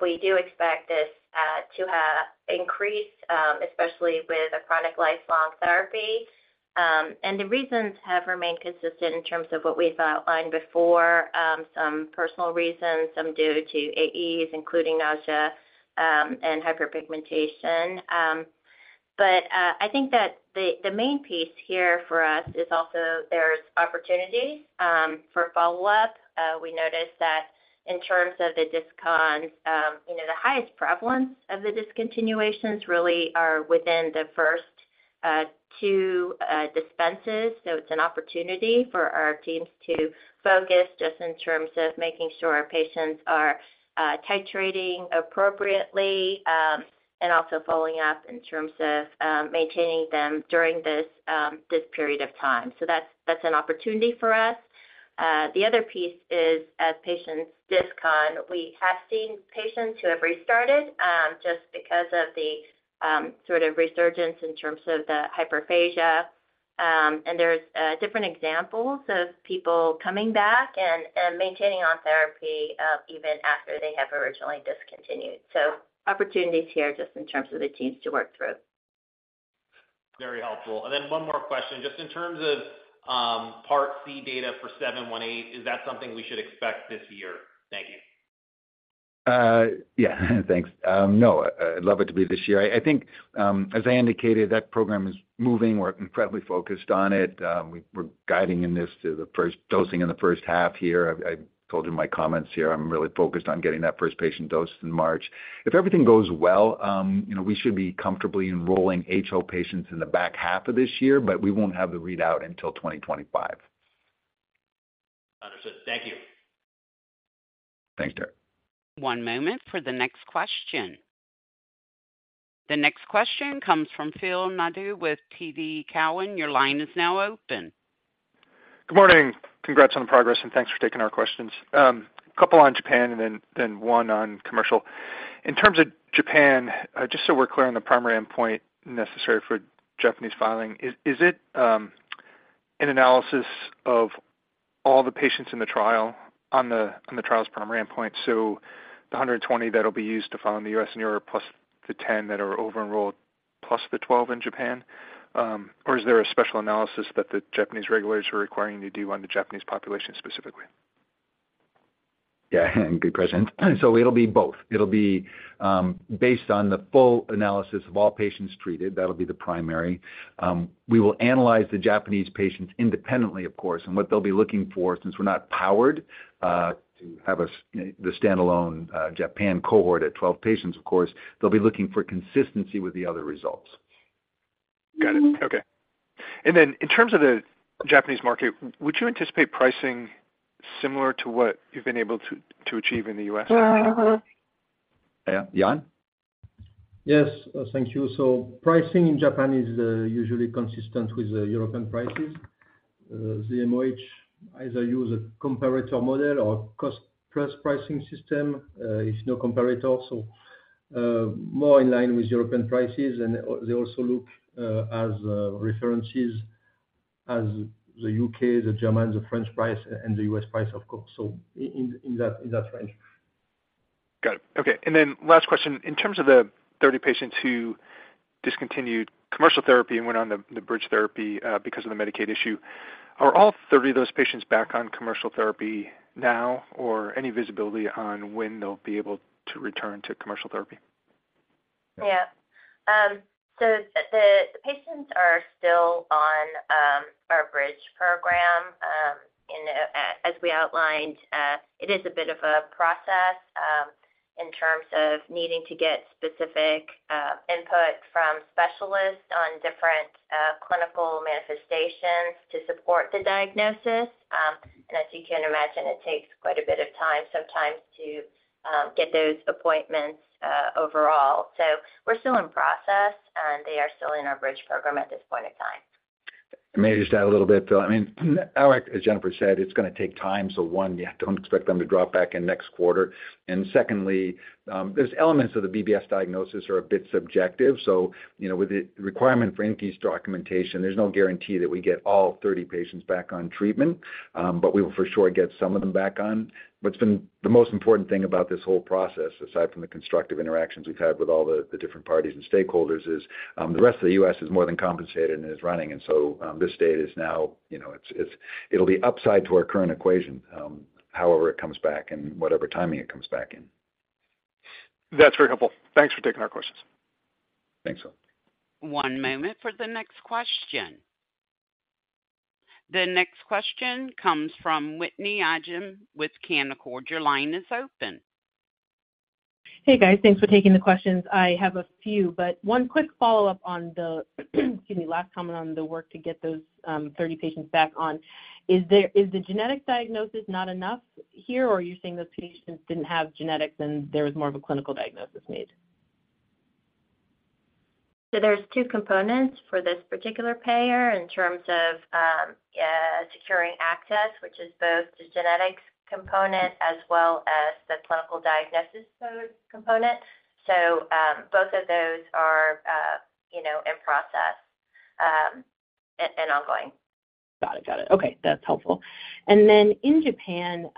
We do expect this to increase, especially with a chronic lifelong therapy. The reasons have remained consistent in terms of what we've outlined before, some personal reasons, some due to AEs, including nausea and hyperpigmentation. But I think that the main piece here for us is also there's opportunities for follow-up. We noticed that in terms of the discons, the highest prevalence of the discontinuations really are within the first two dispenses. So it's an opportunity for our teams to focus just in terms of making sure our patients are titrating appropriately and also following up in terms of maintaining them during this period of time. So that's an opportunity for us. The other piece is patients' discontinuations. We have seen patients who have restarted just because of the sort of resurgence in terms of the hyperphagia. And there's different examples of people coming back and maintaining on therapy even after they have originally discontinued. Opportunities here just in terms of the teams to work through. Very helpful. And then one more question. Just in terms of part C data for 718, is that something we should expect this year? Thank you. Yeah. Thanks. No, I'd love it to be this year. I think, as I indicated, that program is moving. We're incredibly focused on it. We're guiding in this to the first dosing in the first half here. I told you in my comments here, I'm really focused on getting that first patient dose in March. If everything goes well, we should be comfortably enrolling HO patients in the back half of this year, but we won't have the readout until 2025. Understood. Thank you. Thanks, Derek. One moment for the next question. The next question comes from Phil Nadeau with TD Cowen. Your line is now open. Good morning. Congrats on the progress, and thanks for taking our questions. A couple on Japan and then one on commercial. In terms of Japan, just so we're clear on the primary endpoint necessary for Japanese filing, is it an analysis of all the patients in the trial on the trial's primary endpoint, so the 120 that'll be used to file in the U.S. and Europe plus the 10 that are over-enrolled plus the 12 in Japan? Or is there a special analysis that the Japanese regulators are requiring you to do on the Japanese population specifically? Yeah. Good question. So it'll be both. It'll be based on the full analysis of all patients treated. That'll be the primary. We will analyze the Japanese patients independently, of course. And what they'll be looking for, since we're not powered to have the standalone Japan cohort at 12 patients, of course, they'll be looking for consistency with the other results. Got it. Okay. And then in terms of the Japanese market, would you anticipate pricing similar to what you've been able to achieve in the U.S.? Yann? Yes. Thank you. So pricing in Japan is usually consistent with European prices. The MOH either use a comparator model or a cost-plus pricing system. It's no comparator, so more in line with European prices. And they also look at references as the U.K., the German, the French price, and the U.S. price, of course, so in that range. Got it. Okay. And then last question. In terms of the 30 patients who discontinued commercial therapy and went on the bridge therapy because of the Medicaid issue, are all 30 of those patients back on commercial therapy now, or any visibility on when they'll be able to return to commercial therapy? Yeah. So the patients are still on our Bridge program. As we outlined, it is a bit of a process in terms of needing to get specific input from specialists on different clinical manifestations to support the diagnosis. And as you can imagine, it takes quite a bit of time sometimes to get those appointments overall. So we're still in process, and they are still in our Bridge program at this point in time. May I just add a little bit, Phil? I mean, as Jennifer said, it's going to take time. So one, don't expect them to drop back in next quarter. And secondly, there's elements of the BBS diagnosis that are a bit subjective. So with the requirement for NPS documentation, there's no guarantee that we get all 30 patients back on treatment, but we will for sure get some of them back on. What's been the most important thing about this whole process, aside from the constructive interactions we've had with all the different parties and stakeholders, is the rest of the U.S. is more than compensated and is running. And so this state is now. It'll be upside to our current equation, however it comes back and whatever timing it comes back in. That's very helpful. Thanks for taking our questions. Thanks, Phil. One moment for the next question. The next question comes from Whitney Ijem with Canaccord. Your line is open. Hey, guys. Thanks for taking the questions. I have a few, but one quick follow-up on the, excuse me, last comment on the work to get those 30 patients back on. Is the genetic diagnosis not enough here, or are you saying those patients didn't have genetics and there was more of a clinical diagnosis made? There's two components for this particular payer in terms of securing access, which is both the genetics component as well as the clinical diagnosis component. So both of those are in process and ongoing. Got it. Got it. Okay. That's helpful. And then in Japan,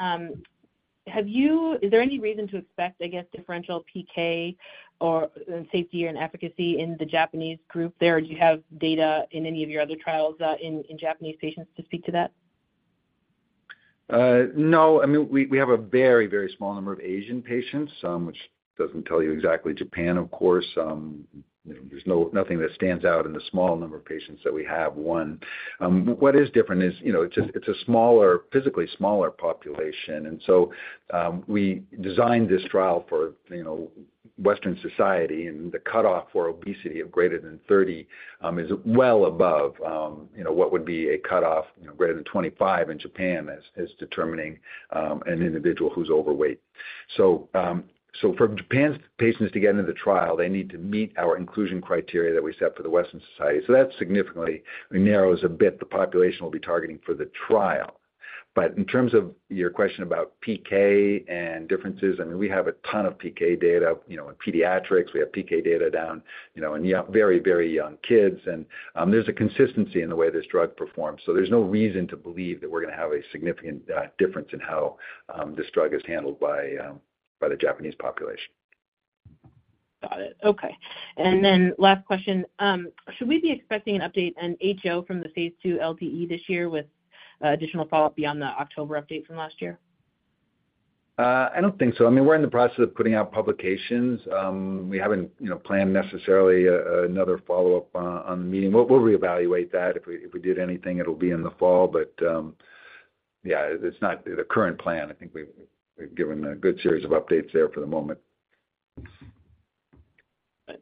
is there any reason to expect, I guess, differential PK and safety and efficacy in the Japanese group there? Do you have data in any of your other trials in Japanese patients to speak to that? No. I mean, we have a very, very small number of Asian patients, which doesn't tell you exactly Japan, of course. There's nothing that stands out in the small number of patients that we have, one. What is different is it's a physically smaller population. And so we designed this trial for Western society, and the cutoff for obesity of greater than 30 is well above what would be a cutoff greater than 25 in Japan as determining an individual who's overweight. So for Japan's patients to get into the trial, they need to meet our inclusion criteria that we set for the Western society. So that significantly narrows a bit the population we'll be targeting for the trial. But in terms of your question about PK and differences, I mean, we have a ton of PK data in pediatrics. We have PK data down in very, very young kids. There's a consistency in the way this drug performs. There's no reason to believe that we're going to have a significant difference in how this drug is handled by the Japanese population. Got it. Okay. And then last question. Should we be expecting an update in HO from the phase II LTE this year with additional follow-up beyond the October update from last year? I don't think so. I mean, we're in the process of putting out publications. We haven't planned necessarily another follow-up on the meeting. We'll reevaluate that. If we did anything, it'll be in the fall. But yeah, it's not the current plan. I think we've given a good series of updates there for the moment.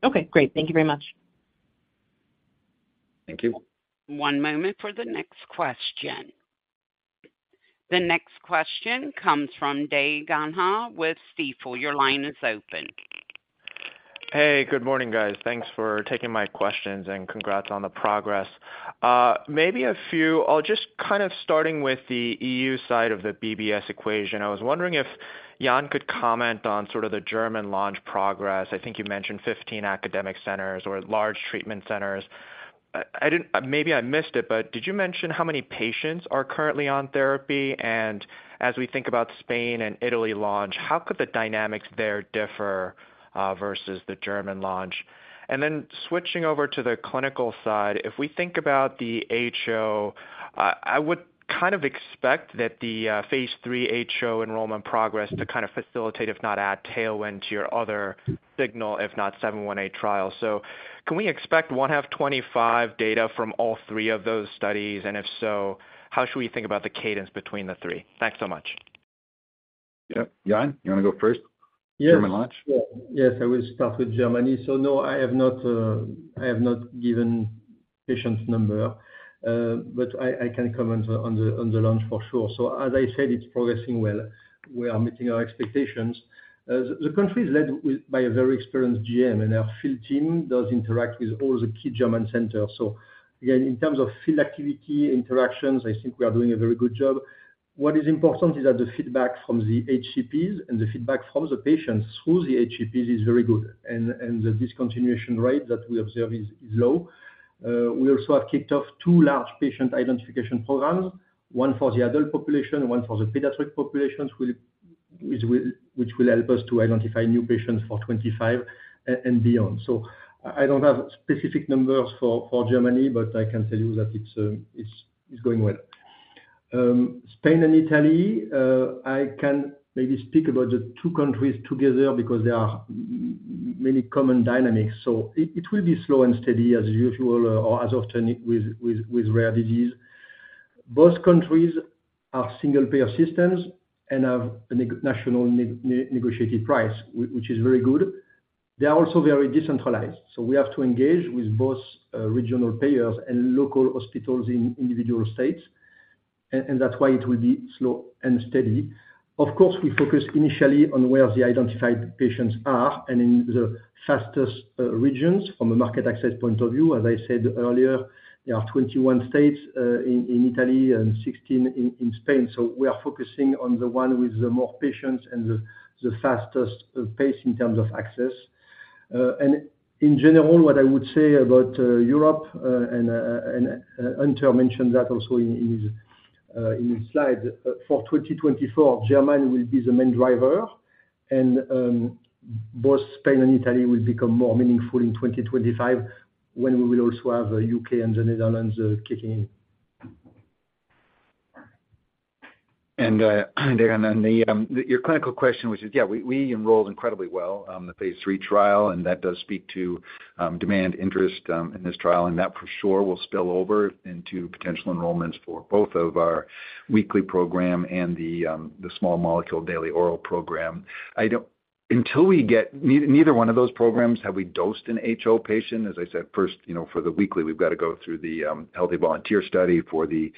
Okay. Great. Thank you very much. Thank you. One moment for the next question. The next question comes from Dae Gon Ha with Stifel. Your line is open. Hey. Good morning, guys. Thanks for taking my questions, and congrats on the progress. Maybe a few. I'll just kind of starting with the EU side of the BBS equation. I was wondering if Yann could comment on sort of the German launch progress. I think you mentioned 15 academic centers or large treatment centers. Maybe I missed it, but did you mention how many patients are currently on therapy? And as we think about Spain and Italy launch, how could the dynamics there differ versus the German launch? And then switching over to the clinical side, if we think about the HO, I would kind of expect that the phase III HO enrollment progress to kind of facilitate, if not add tailwind, to your other signal, if not 718 trial. So can we expect 1H 2025 data from all three of those studies? If so, how should we think about the cadence between the three? Thanks so much. Yep. Yann, you want to go first? German launch? Yes. I will start with Germany. So no, I have not given patients' numbers, but I can comment on the launch for sure. So as I said, it's progressing well. We are meeting our expectations. The country is led by a very experienced GM, and our field team does interact with all the key German centers. So again, in terms of field activity interactions, I think we are doing a very good job. What is important is that the feedback from the HCPs and the feedback from the patients through the HCPs is very good, and the discontinuation rate that we observe is low. We also have kicked off two large patient identification programs, one for the adult population and one for the pediatric populations, which will help us to identify new patients for 2025 and beyond. I don't have specific numbers for Germany, but I can tell you that it's going well. Spain and Italy, I can maybe speak about the two countries together because there are many common dynamics. It will be slow and steady as usual or as often with rare disease. Both countries are single-payer systems and have a national negotiated price, which is very good. They are also very decentralized. We have to engage with both regional payers and local hospitals in individual states. That's why it will be slow and steady. Of course, we focus initially on where the identified patients are and in the fastest regions from a market access point of view. As I said earlier, there are 21 states in Italy and 16 in Spain. We are focusing on the one with the more patients and the fastest pace in terms of access. In general, what I would say about Europe - and Hunter mentioned that also in his slides - for 2024, Germany will be the main driver, and both Spain and Italy will become more meaningful in 2025 when we will also have the U.K. and the Netherlands kicking in. Dae, on your clinical question, which is, yeah, we enrolled incredibly well on the phase III trial, and that does speak to demand, interest in this trial. And that for sure will spill over into potential enrollments for both of our weekly program and the small molecule daily oral program. Until we get neither one of those programs, have we dosed an HO patient? As I said, first, for the weekly, we've got to go through the healthy volunteer study. For the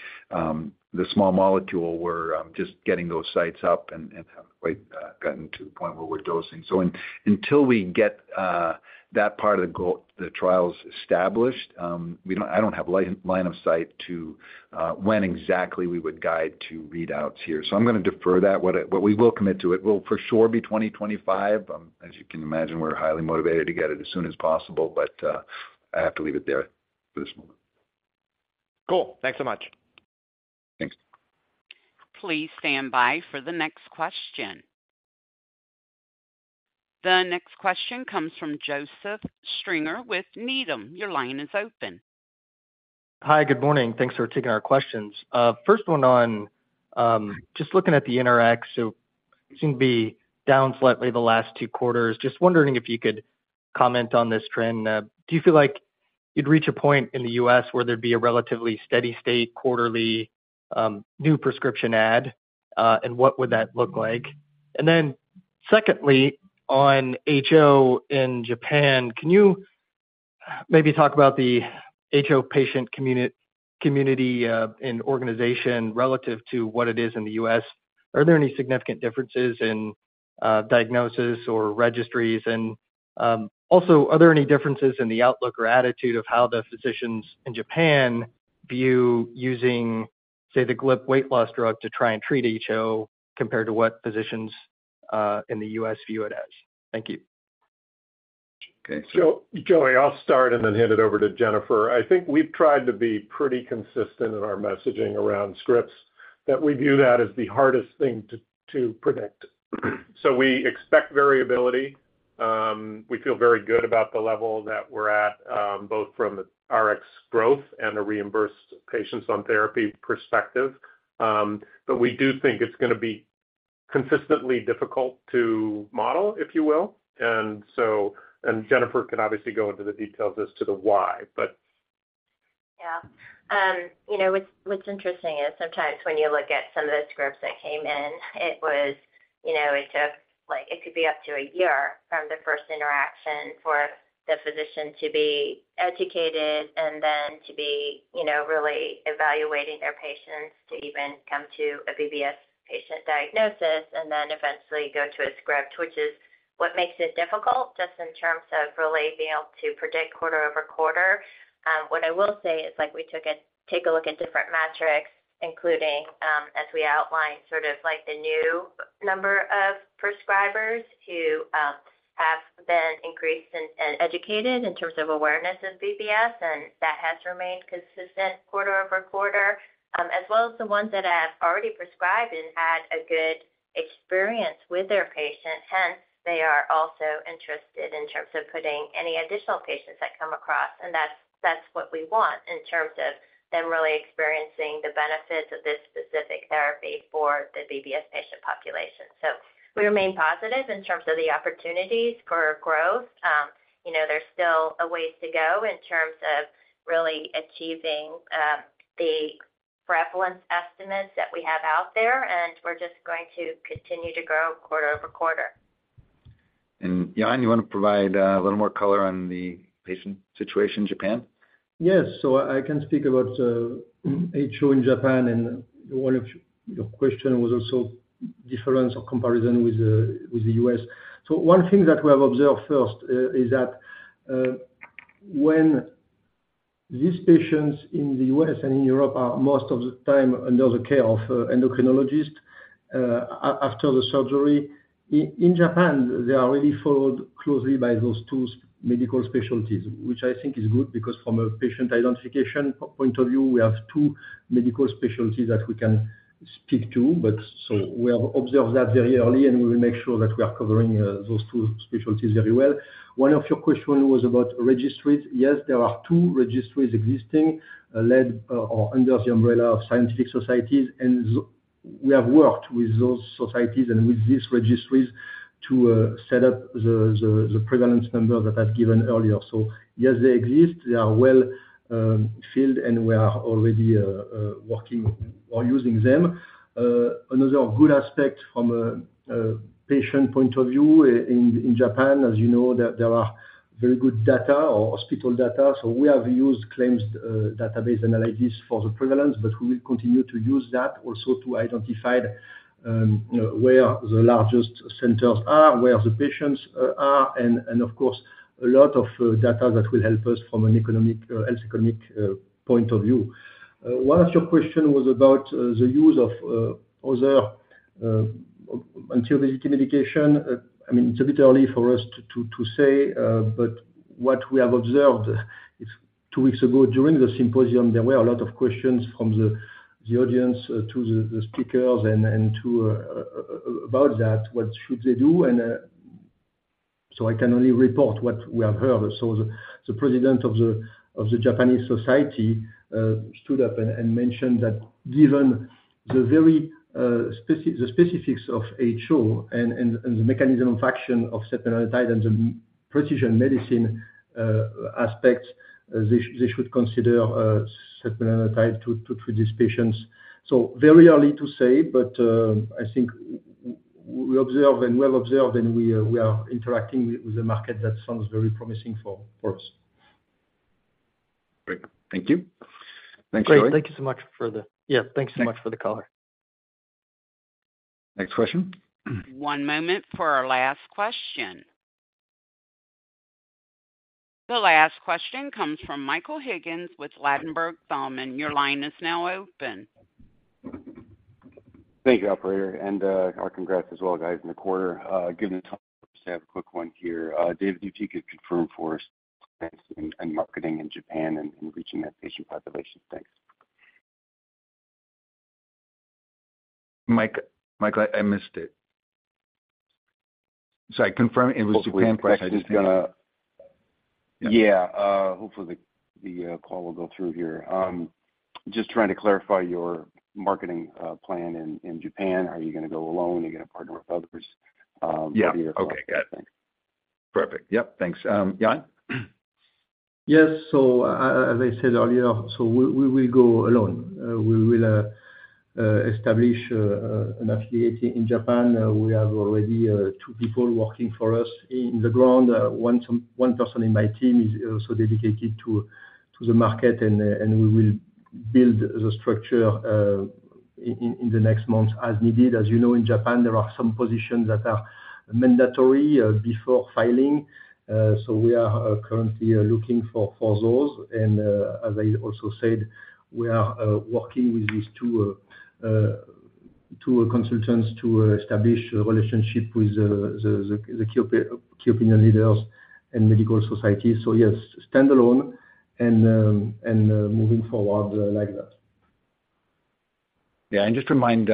small molecule, we're just getting those sites up and haven't quite gotten to the point where we're dosing. Until we get that part of the trials established, I don't have line of sight to when exactly we would guide to readouts here. I'm going to defer that. But we will commit to it. It will for sure be 2025. As you can imagine, we're highly motivated to get it as soon as possible, but I have to leave it there for this moment. Cool. Thanks so much. Thanks. Please stand by for the next question. The next question comes from Joseph Stringer with Needham. Your line is open. Hi. Good morning. Thanks for taking our questions. First one on just looking at the NRX, so it seemed to be down slightly the last two quarters. Just wondering if you could comment on this trend. Do you feel like you'd reach a point in the U.S. where there'd be a relatively steady state quarterly new prescription ad, and what would that look like? And then secondly, on HO in Japan, can you maybe talk about the HO patient community and organization relative to what it is in the U.S.? Are there any significant differences in diagnosis or registries? And also, are there any differences in the outlook or attitude of how the physicians in Japan view using, say, the GLIP weight loss drug to try and treat HO compared to what physicians in the U.S. view it as? Thank you. Okay. Joe, I'll start and then hand it over to Jennifer. I think we've tried to be pretty consistent in our messaging around scripts. We view that as the hardest thing to predict. So we expect variability. We feel very good about the level that we're at, both from the Rx growth and the reimbursed patients on therapy perspective. But we do think it's going to be consistently difficult to model, if you will. And Jennifer can obviously go into the details as to the why, but. Yeah. What's interesting is sometimes when you look at some of the scripts that came in, it could be up to a year from the first interaction for the physician to be educated and then to be really evaluating their patients to even come to a BBS patient diagnosis and then eventually go to a script, which is what makes it difficult just in terms of really being able to predict quarter-over-quarter. What I will say is we took a look at different metrics, including as we outlined sort of the new number of prescribers who have been increased and educated in terms of awareness of BBS, and that has remained consistent quarter-over-quarter, as well as the ones that have already prescribed and had a good experience with their patient. Hence, they are also interested in terms of putting any additional patients that come across. And that's what we want in terms of them really experiencing the benefits of this specific therapy for the BBS patient population. So we remain positive in terms of the opportunities for growth. There's still a ways to go in terms of really achieving the prevalence estimates that we have out there, and we're just going to continue to grow quarter-over-quarter. Yann, you want to provide a little more color on the patient situation in Japan? Yes. So I can speak about HO in Japan. And one of your questions was also difference or comparison with the U.S. So one thing that we have observed first is that when these patients in the U.S. and in Europe are most of the time under the care of endocrinologists after the surgery, in Japan, they are really followed closely by those two medical specialties, which I think is good because from a patient identification point of view, we have two medical specialties that we can speak to. So we have observed that very early, and we will make sure that we are covering those two specialties very well. One of your questions was about registries. Yes, there are two registries existing led or under the umbrella of scientific societies. We have worked with those societies and with these registries to set up the prevalence numbers that I've given earlier. So yes, they exist. They are well-filled, and we are already working or using them. Another good aspect from a patient point of view in Japan, as you know, there are very good data or hospital data. So we have used claims database analysis for the prevalence, but we will continue to use that also to identify where the largest centers are, where the patients are, and of course, a lot of data that will help us from a health economic point of view. One of your questions was about the use of other anti-obesity medication. I mean, it's a bit early for us to say, but what we have observed two weeks ago during the symposium, there were a lot of questions from the audience to the speakers about that. What should they do? And so I can only report what we have heard. So the president of the Japanese society stood up and mentioned that given the very specifics of HO and the mechanism of action of setmelanotide and the precision medicine aspects, they should consider setmelanotide to treat these patients. So very early to say, but I think we observe and we have observed, and we are interacting with a market that sounds very promising for us. Great. Thank you. Thanks, Joe. Great. Thank you so much for the, yeah. Thanks so much for the caller. Next question. One moment for our last question. The last question comes from Michael Higgins with Ladenburg Thalmann. Your line is now open. Thank you, operator. And our congrats as well, guys, in the quarter. Given the time, I'll just have a quick one here. David, if you could confirm for us plans and marketing in Japan and reaching that patient population? Thanks. Michael, I missed it. Sorry. Confirm it was Japan question? We're actually going to. Hopefully, the call will go through here. Just trying to clarify your marketing plan in Japan. Are you going to go alone? Are you going to partner with others? What are your thoughts? Yeah. Okay. Got it. Thanks. Perfect. Yep. Thanks. Yann? Yes. So as I said earlier, so we will go alone. We will establish an affiliate in Japan. We have already two people working for us on the ground. One person in my team is also dedicated to the market, and we will build the structure in the next months as needed. As you know, in Japan, there are some positions that are mandatory before filing. So we are currently looking for those. And as I also said, we are working with these two consultants to establish a relationship with the key opinion leaders and medical societies. So yes, standalone and moving forward like that. Yeah. And just to remind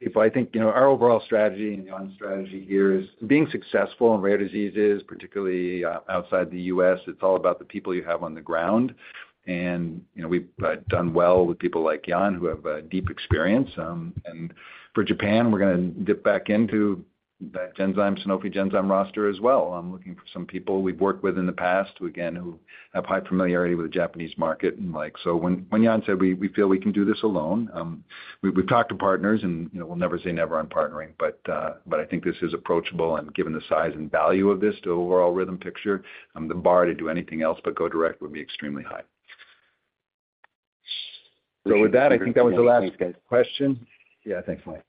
people, I think our overall strategy and Yann's strategy here is being successful in rare diseases, particularly outside the U.S. It's all about the people you have on the ground. And we've done well with people like Yann who have deep experience. And for Japan, we're going to dip back into that Sanofi Genzyme roster as well. I'm looking for some people we've worked with in the past, again, who have high familiarity with the Japanese market. So when Yann said we feel we can do this alone, we've talked to partners, and we'll never say never on partnering. But I think this is approachable. And given the size and value of this overall Rhythm picture, the bar to do anything else but go direct would be extremely high. So with that, I think that was the last question. Yeah. Thanks, Mike.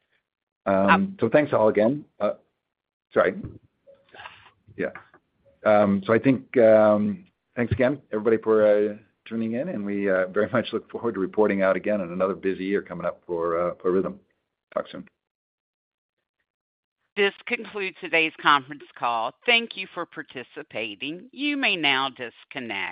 Thanks all again. Sorry. Yeah. I think thanks again, everybody, for tuning in. We very much look forward to reporting out again in another busy year coming up for Rhythm. Talk soon. This concludes today's conference call. Thank you for participating. You may now disconnect.